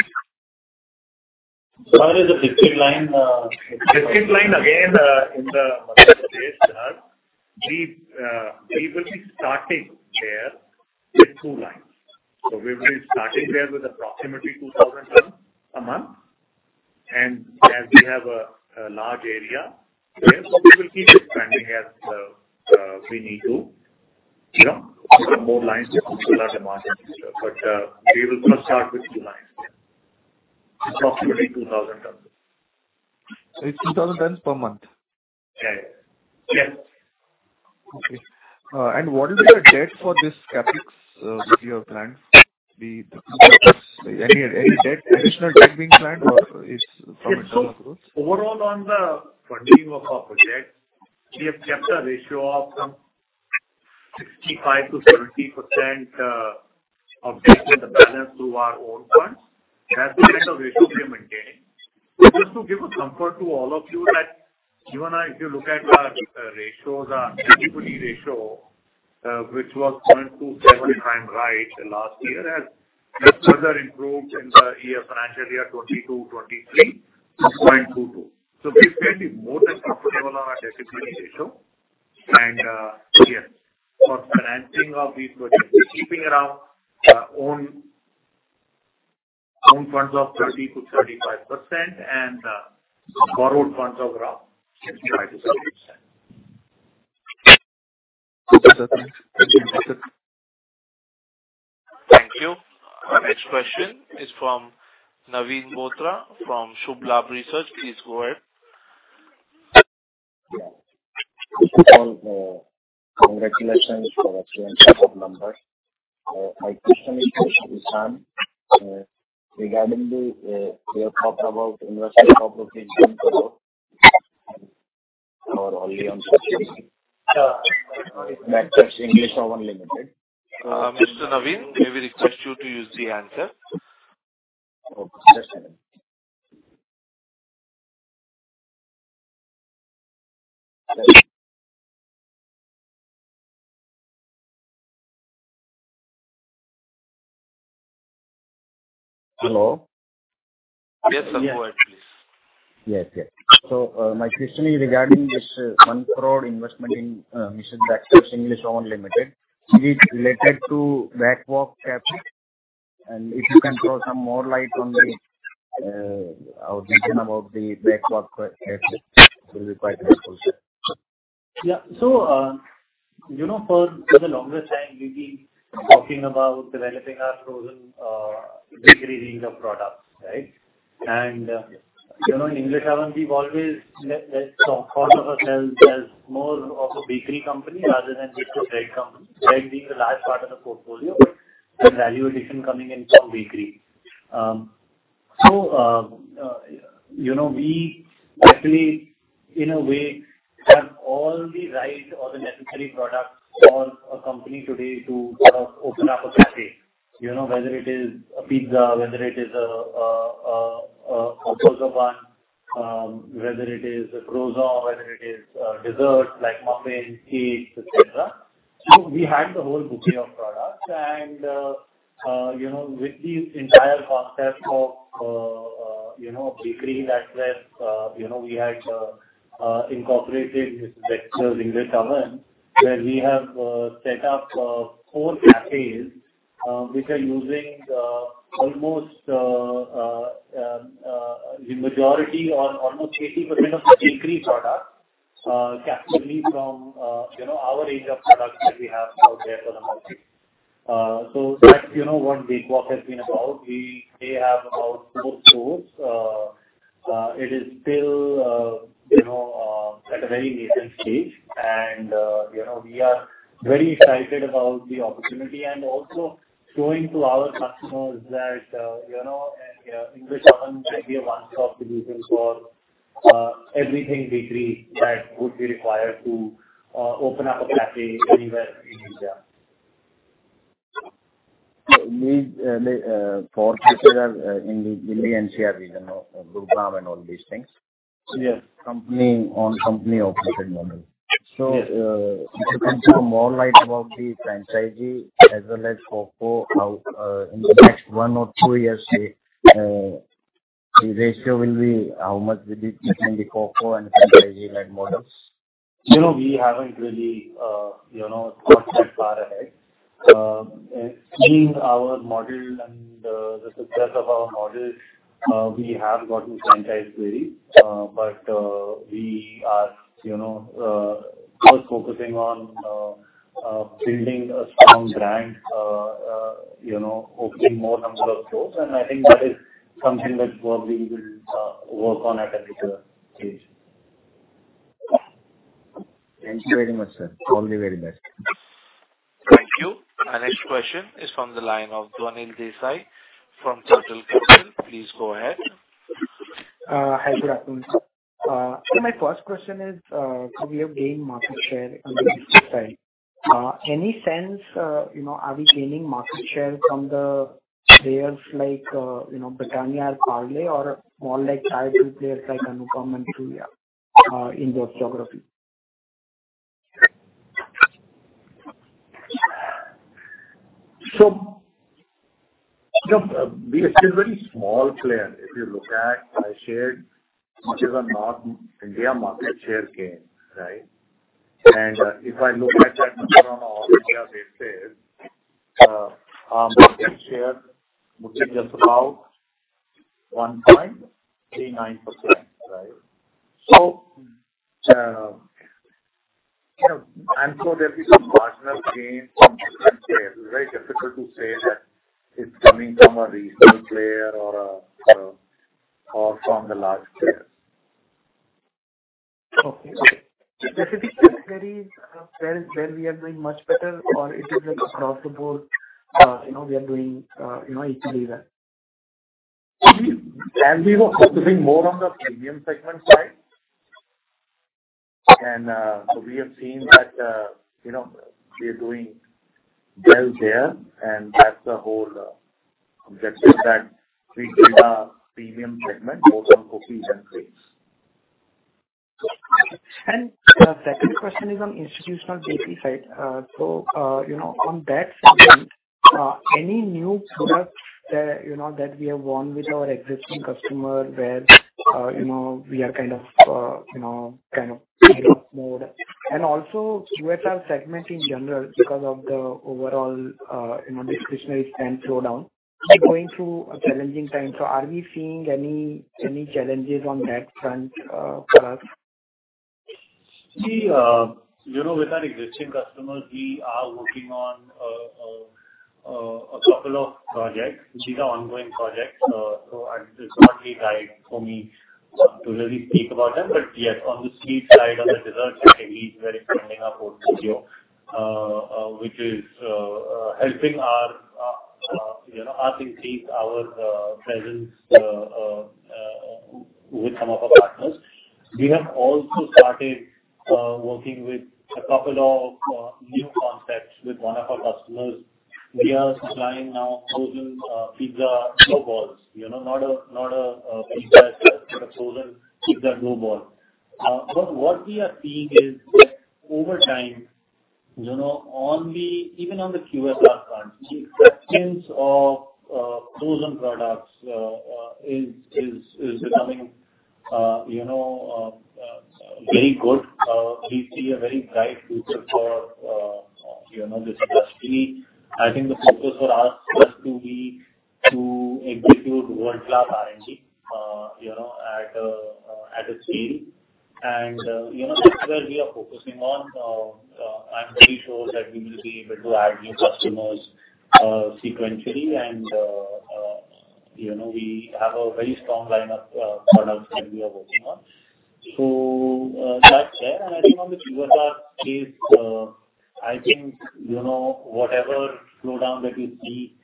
Dhar is a biscuit line. Biscuit line, again, in the Madhya Pradesh, Dhar, we will be starting there with two lines. So we will be starting there with approximately 2,000 tons a month. And as we have a large area there, we will keep expanding as we need to, more lines to fulfill our demand in the future. But we will first start with two lines, approximately 2,000 tons. It's 2,000 tons per month? Yeah. Yes. Yes. Okay. What will be the debt for this Capex that you have planned? Any additional debt being planned, or it's from internal growth? So overall, on the funding of our project, we have kept a ratio of 65%-70% of the balance through our own funds. That's the kind of ratio we are maintaining. Just to give a comfort to all of you, that even if you look at our ratios, our equity ratio, which was 0.27x right last year, has further improved in the financial year 2022-2023 to 0.22. So we're fairly more than comfortable on our equity ratio. And yes, for financing of these projects, we're keeping around our own funds of 30%-35% and borrowed funds of around 65%-70%. Okay. Sir. Thank you. Thank you. Our next question is from Naveen Bothra from Shubh Labh Research. Please go ahead. Yeah. Congratulations for excellent set of numbers. My question is for Ishaan. Regarding the talk about incorporation in Singapore or only on securities matters, English Oven Limited? Mr. Naveen, may we request you to use the answer? Okay. Just a minute. Hello? Yes, sir. Go ahead, please. Yes. Yes. My question is regarding this 1 crore investment in Mrs. Bectors English Own Limited. Is it related to backwalk CapEx? And if you can throw some more light on our vision about the backwalk CapEx, it will be quite helpful, sir. Yeah. So for the longest time, we've been talking about developing our frozen bakery range of products, right? And in English Oven, we've always thought of ourselves as more of a bakery company rather than just a bread company, bread being the large part of the portfolio but with value addition coming in from bakery. So we actually, in a way, have all the right or the necessary products for a company today to sort of open up a café, whether it is a pizza, whether it is a hot dosa bun, whether it is a croissant, whether it is desserts like muffins, cakes, etc. So we had the whole bouquet of products. And with the entire concept of a bakery that's where we had incorporated Mrs. Bector's English Oven, where we have set up four cafés which are using almost the majority or almost 80% of the bakery products captured from our range of products that we have out there for the market. So that's what backwalk has been about. We have about four stores. It is still at a very nascent stage. And we are very excited about the opportunity and also showing to our customers that English Oven can be a one-stop solution for everything bakery that would be required to open up a café anywhere in India. So four cafés are in the NCR region, Gurugram, and all these things, company-operated models. So to give some more light about the franchisee as well as Coco, in the next one or two years, the ratio will be how much will be between the Coco and franchisee-led models? We haven't really thought that far ahead. Seeing our model and the success of our model, we have gotten franchise queries. But we are first focusing on building a strong brand, opening more number of stores. And I think that is something that we will work on at a later stage. Thank you very much, sir. All the very best. Thank you. Our next question is from the line of Dhwanil Desai from Turtle Capital. Please go ahead. Hi. Good afternoon, sir. So my first question is, we have gained market share on the biscuit side. In any sense, are we gaining market share from the players like Britannia or Parle or more like tier 2 players like Anupam and Surya in those geographies? We are still very small players. If you look at our share, which is a North India market share gain, right? If I look at that number on an all-India basis, our market share would be just about 1.39%, right? I'm sure there'll be some marginal gains from different players. It's very difficult to say that it's coming from a regional player or from the large players. Okay. Specific categories, where we are doing much better, or it is across the board we are doing equally well? As we were focusing more on the premium segment side, and so we have seen that we are doing well there. That's the whole objective, that we give our premium segment both on cookies and cakes. The second question is on institutional bakery side. So on that segment, any new products that we have won with our existing customer where we are kind of payoff mode? Also, QSR segment in general because of the overall discretionary spend slowdown, we're going through a challenging time. So are we seeing any challenges on that front for us? With our existing customers, we are working on a couple of projects, which are ongoing projects. So it's not really time for me to really speak about them. But yes, on the sweet side, on the dessert category, we are expanding our portfolio, which is helping us increase our presence with some of our partners. We have also started working with a couple of new concepts with one of our customers. We are supplying now frozen pizza dough balls, not a pizza itself but a frozen pizza dough ball. But what we are seeing is that over time, even on the QSR front, the acceptance of frozen products is becoming very good. We see a very bright future for this industry. I think the focus for us has to be to execute world-class R&D at a scale. And that's where we are focusing on. I'm pretty sure that we will be able to add new customers sequentially. We have a very strong lineup of products that we are working on. That's there. I think on the QSR case, I think whatever slowdown that we see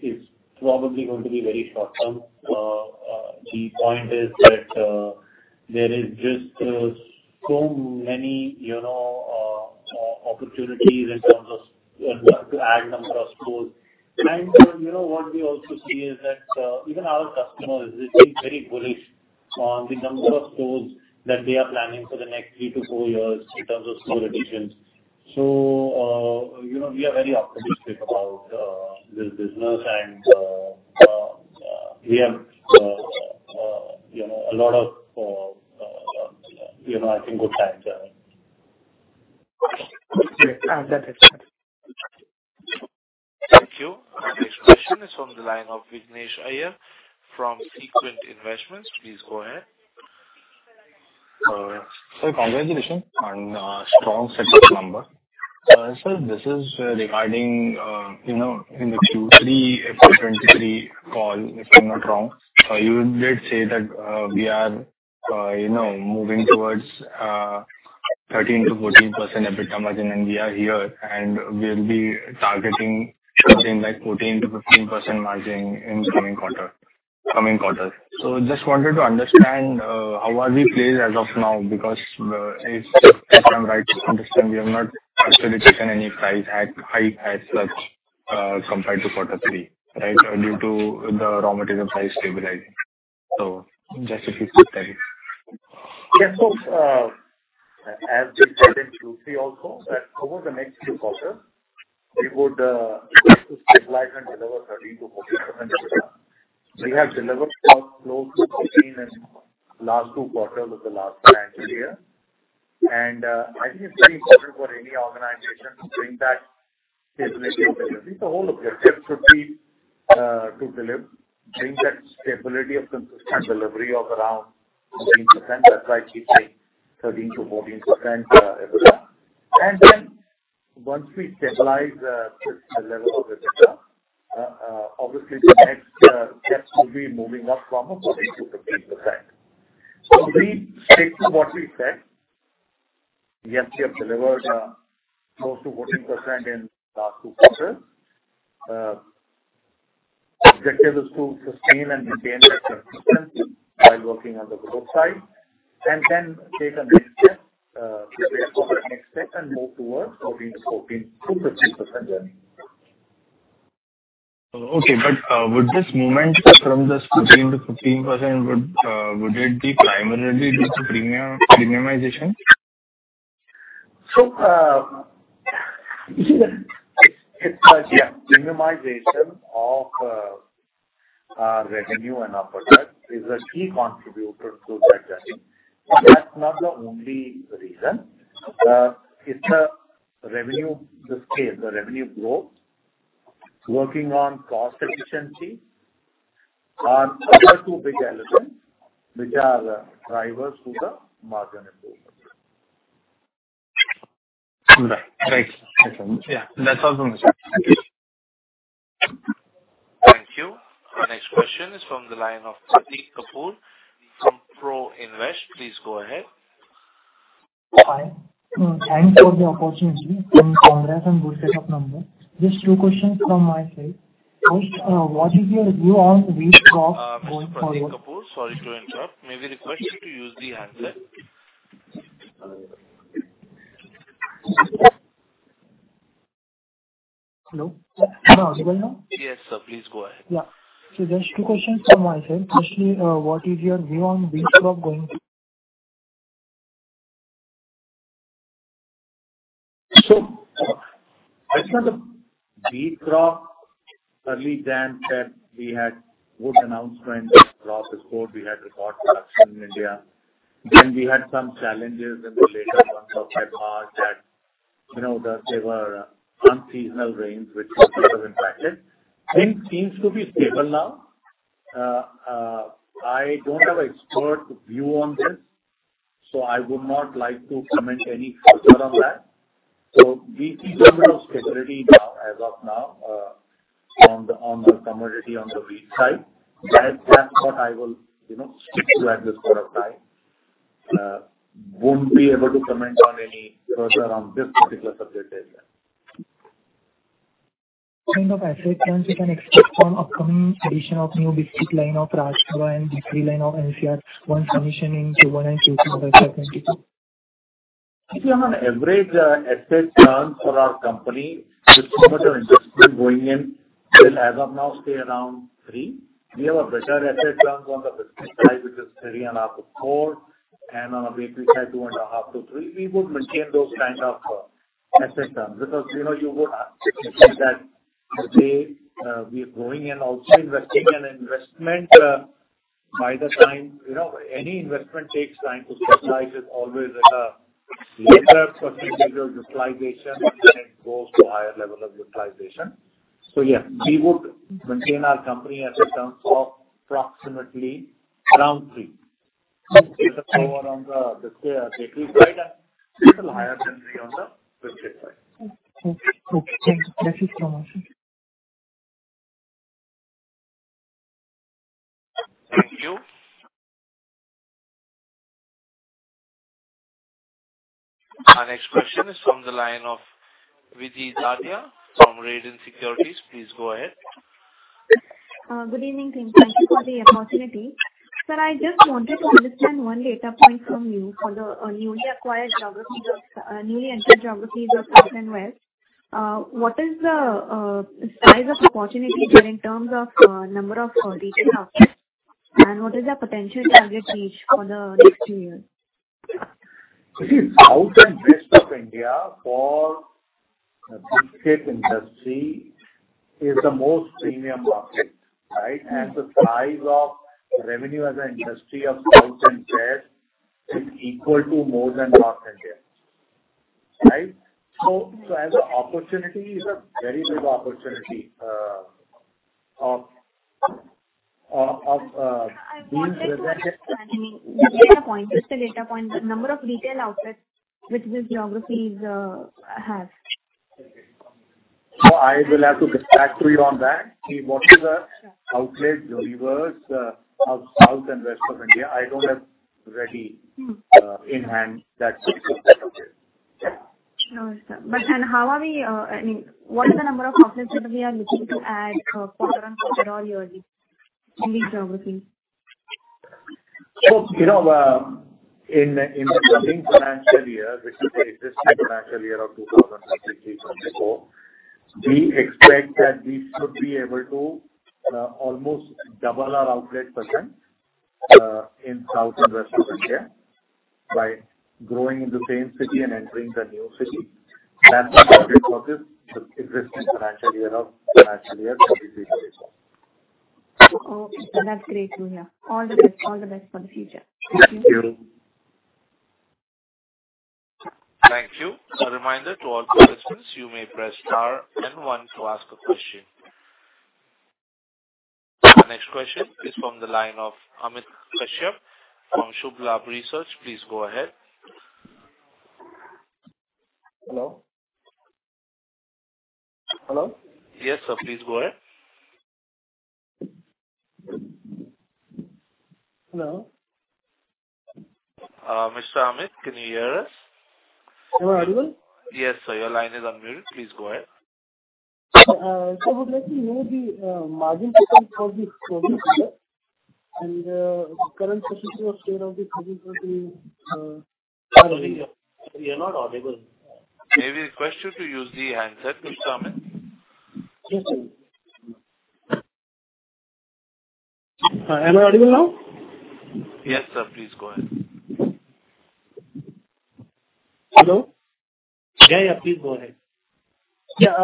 is probably going to be very short-term. The point is that there is just so many opportunities in terms of adding the number of stores. What we also see is that even our customers are very bullish on the number of stores that they are planning for the next three to four years in terms of store additions. We are very optimistic about this business. We have a lot of, I think, good times ahead. Thank you. Our next question is from the line of Vignesh Iyer from Sequent Investments. Please go ahead. Sir, congratulations on a strong set of numbers. Sir, this is regarding in the Q3, FY 2023 call, if I'm not wrong, you did say that we are moving towards 13%-14% EBITDA margin. And we are here. And we'll be targeting something like 14%-15% margin in coming quarter. So I just wanted to understand how are we placed as of now because if I'm right to understand, we have not actually taken any price hike as such compared to quarter three, right, due to the raw material price stabilizing. So just if you could tell me. Yes. So as we said in Q3 also, that over the next two quarters, we would like to stabilize and deliver 13%-14% EBITDA. We have delivered close to 14% in the last two quarters of the last financial year. And I think it's very important for any organization to bring that stability because the whole objective should be to deliver, bring that stability of consistent delivery of around 14%. That's why I keep saying 13%-14% EBITDA. And then once we stabilize the level of EBITDA, obviously, the next step will be moving up from 14%-15%. So we stick to what we said. Yes, we have delivered close to 14% in the last two quarters. The objective is to sustain and maintain that consistency while working on the growth side and then take a next step, prepare for the next step, and move towards 14%-15% journey. Okay. But would this movement from the 14%-15%, would it be primarily due to premiumization? So yes, premiumization of our revenue and our product is a key contributor to that journey. That's not the only reason. It's the revenue scale, the revenue growth. Working on cost efficiency are other two big elements which are drivers to the margin improvement. Right. Right. Yeah. That's awesome, Mr. Thank you. Our next question is from the line of Pradip Kapoor from ProInvest. Please go ahead. Hi. Thanks for the opportunity. Congrats on good set of numbers. Just two questions from my side. First, what is your view on wheat crop going forward? Mr. Pradip Kapoor, sorry to interrupt. May we request you to use the handset? Hello? Am I audible now? Yes, sir. Please go ahead. Yeah. Just two questions from my side. Firstly, what is your view on wheat crop going forward? So, it's not a wheat crop. Earlier than that, we had good announcement. Crop is good. We had record production in India. Then, we had some challenges in the later months of February that there were unseasonal rains which were sort of impacted. Things seem to be stable now. I don't have an expert view on this, so I would not like to comment any further on that. So, we see some bit of stability now as of now on the commodity on the wheat side. That's what I will stick to at this point of time. Won't be able to comment any further on this particular subject as well. kind of asset turns can you expect from upcoming addition of new biscuit line of Rajpura and biscuit line of NCR once commissioning Q1 and Q2 of FY 2022? If you have an average asset turn for our company, the summative investment going in will as of now stay around three. We have a better asset turn on the biscuit side which is 3.5/4. And on the bakery side, two and a half to three. We would maintain those kind of asset turns because you would see that today, we are going in also investing an investment by the time any investment takes time to stabilize. It's always a later percentage of utilization, and it goes to a higher level of utilization. So yes, we would maintain our company as it turns off approximately around three. It's a little lower on the bakery side and a little higher than three on the biscuit side. Okay. Thank you. Thank you so much. Thank you. Our next question is from the line of Vijay Ladha from Radiant Securities. Please go ahead. Good evening, team. Thank you for the opportunity. Sir, I just wanted to understand one data point from you for the newly acquired geographies of newly entered geographies of South and West. What is the size of opportunity here in terms of number of retail outlets? And what is the potential target reach for the next two years? You see, South and West of India for the biscuit industry is the most premium market, right? And the size of revenue as an industry of South and West is equal to more than North India, right? So as an opportunity, it's a very big opportunity of being presented. I mean, just the data point. Just the data point. The number of retail outlets which these geographies have. So I will have to get back to you on that. See, what is the outlet universe of South and West of India? I don't have ready in hand that specific set of data. Sure, sir. And how are we, I mean, what is the number of outlets that we are looking to add quarter on quarter or yearly in these geographies? In the coming financial year, which is the existing financial year of 2023-2024, we expect that we should be able to almost double our outlet percent in South and West of India by growing in the same city and entering the new city. That's the target for this existing financial year of financial year 2023-2024. Okay. That's great to hear. All the best. All the best for the future. Thank you. Thank you. Thank you. A reminder to all participants, you may press star and one to ask a question. Our next question is from the line of Amit Kashyap from Shubh Labh Research. Please go ahead. Hello? Hello? Yes, sir. Please go ahead. Hello? Mr. Amit, can you hear us? Am I audible? Yes, sir. Your line is unmuted. Please go ahead. Would you like to know the margin percent for the frozen product and the current percent of sale of the frozen? Sorry. You're not audible. May we request you to use the handset, Mr. Amit? Yes, sir. Am I audible now? Yes, sir. Please go ahead. Hello? Yeah, yeah. Please go ahead. Yeah.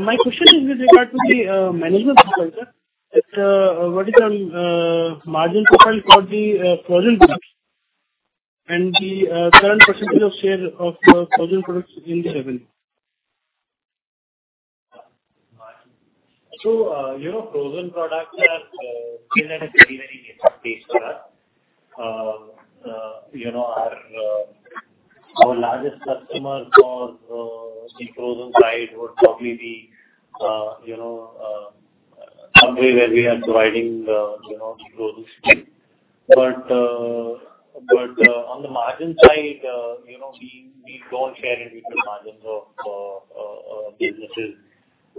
My question is with regard to the margin profile, sir. What is the margin profile for the frozen products and the current percentage of share of frozen products in the revenue? So frozen products are still at a very, very basic stage for us. Our largest customer for the frozen side would probably be somewhere where we are providing the frozen sweets. But on the margin side, we don't share individual margins of businesses,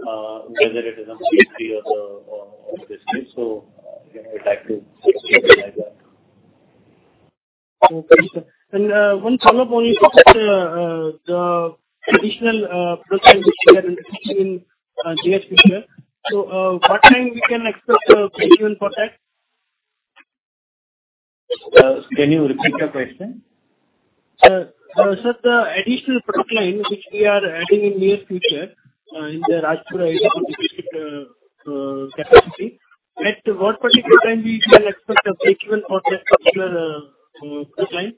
whether it is a pastry or a biscuit. So we'd like to stabilize that. Okay, sir. One follow-up only to the additional product line which we are introducing in the near future. What time can we expect a breakdown for that? Can you repeat the question? Sir, the additional product line which we are adding in the near future in the Rajpura biscuit capacity, at what particular time can we expect a breakdown for that particular product line?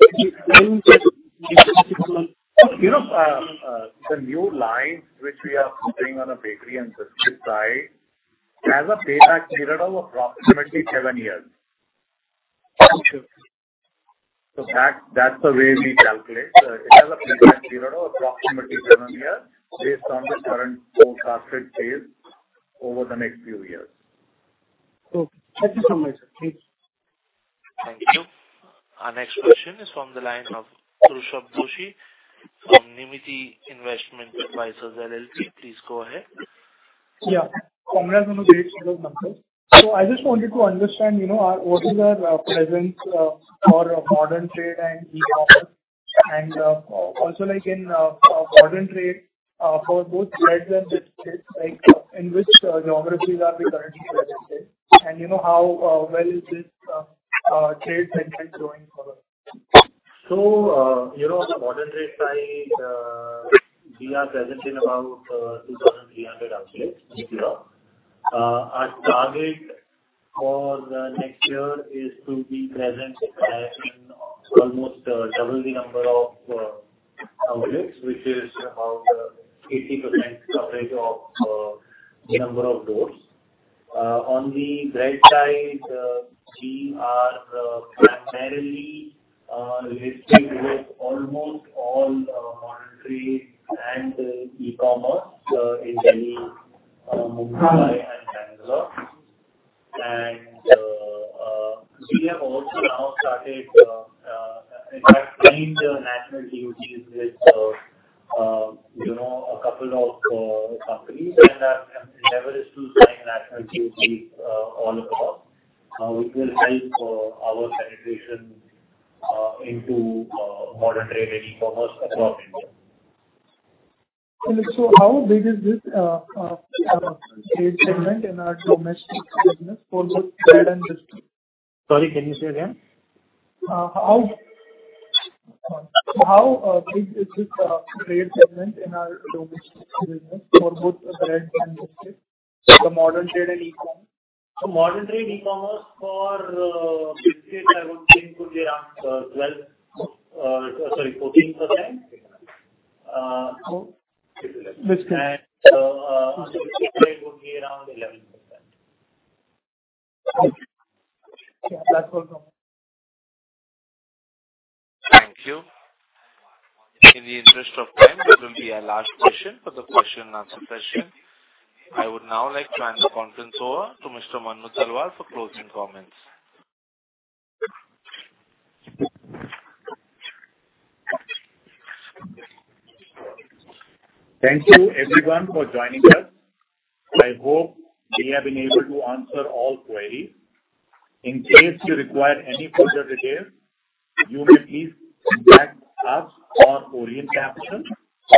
I mean, that difference is on. The new line which we are putting on a bakery and biscuit side has a payback period of approximately seven years. That's the way we calculate. It has a payback period of approximately seven years based on the current forecasted sales over the next few years. Okay. Thank you so much, sir. Thank you. Thank you. Our next question is from the line of Rushabh Doshi from Nirmiti Investment Advisors, LLC. Please go ahead. Yeah. Congrats on the great set of numbers. So I just wanted to understand what is our presence for modern trade and e-commerce? And also in modern trade, for both breads and biscuits, in which geographies are we currently presented? And how well is this trade segment growing for us? On the modern trade side, we are present in about 2,300 outlets in Europe. Our target for next year is to be present in almost double the number of outlets, which is about 80% coverage of the number of doors. On the bread side, we are primarily listed with almost all modern trade and e-commerce in Delhi, Mumbai, and Bengaluru. And we have also now started, in fact, signed national TOTs with a couple of companies. And our endeavor is to sign national TOTs all across, which will help our penetration into modern trade and e-commerce across India. So how big is this trade segment in our domestic business for both bread and biscuits? Sorry. Can you say again? How big is this trade segment in our domestic business for both bread and biscuits, the Modern Trade and e-commerce? Modern trade e-commerce for biscuits, I would think, would be around 12, sorry, 14%. On the biscuit side, it would be around 11%. Okay. Yeah. That's awesome. Thank you. In the interest of time, this will be our last question for the question and answer session. I would now like to hand the conference over to Mr. Manu Talwar for closing comments. Thank you, everyone, for joining us. I hope we have been able to answer all queries. In case you require any further details, you may please contact us or Orient Capital,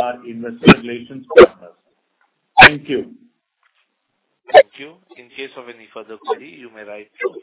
our investor relations partners. Thank you. Thank you. In case of any further query, you may write.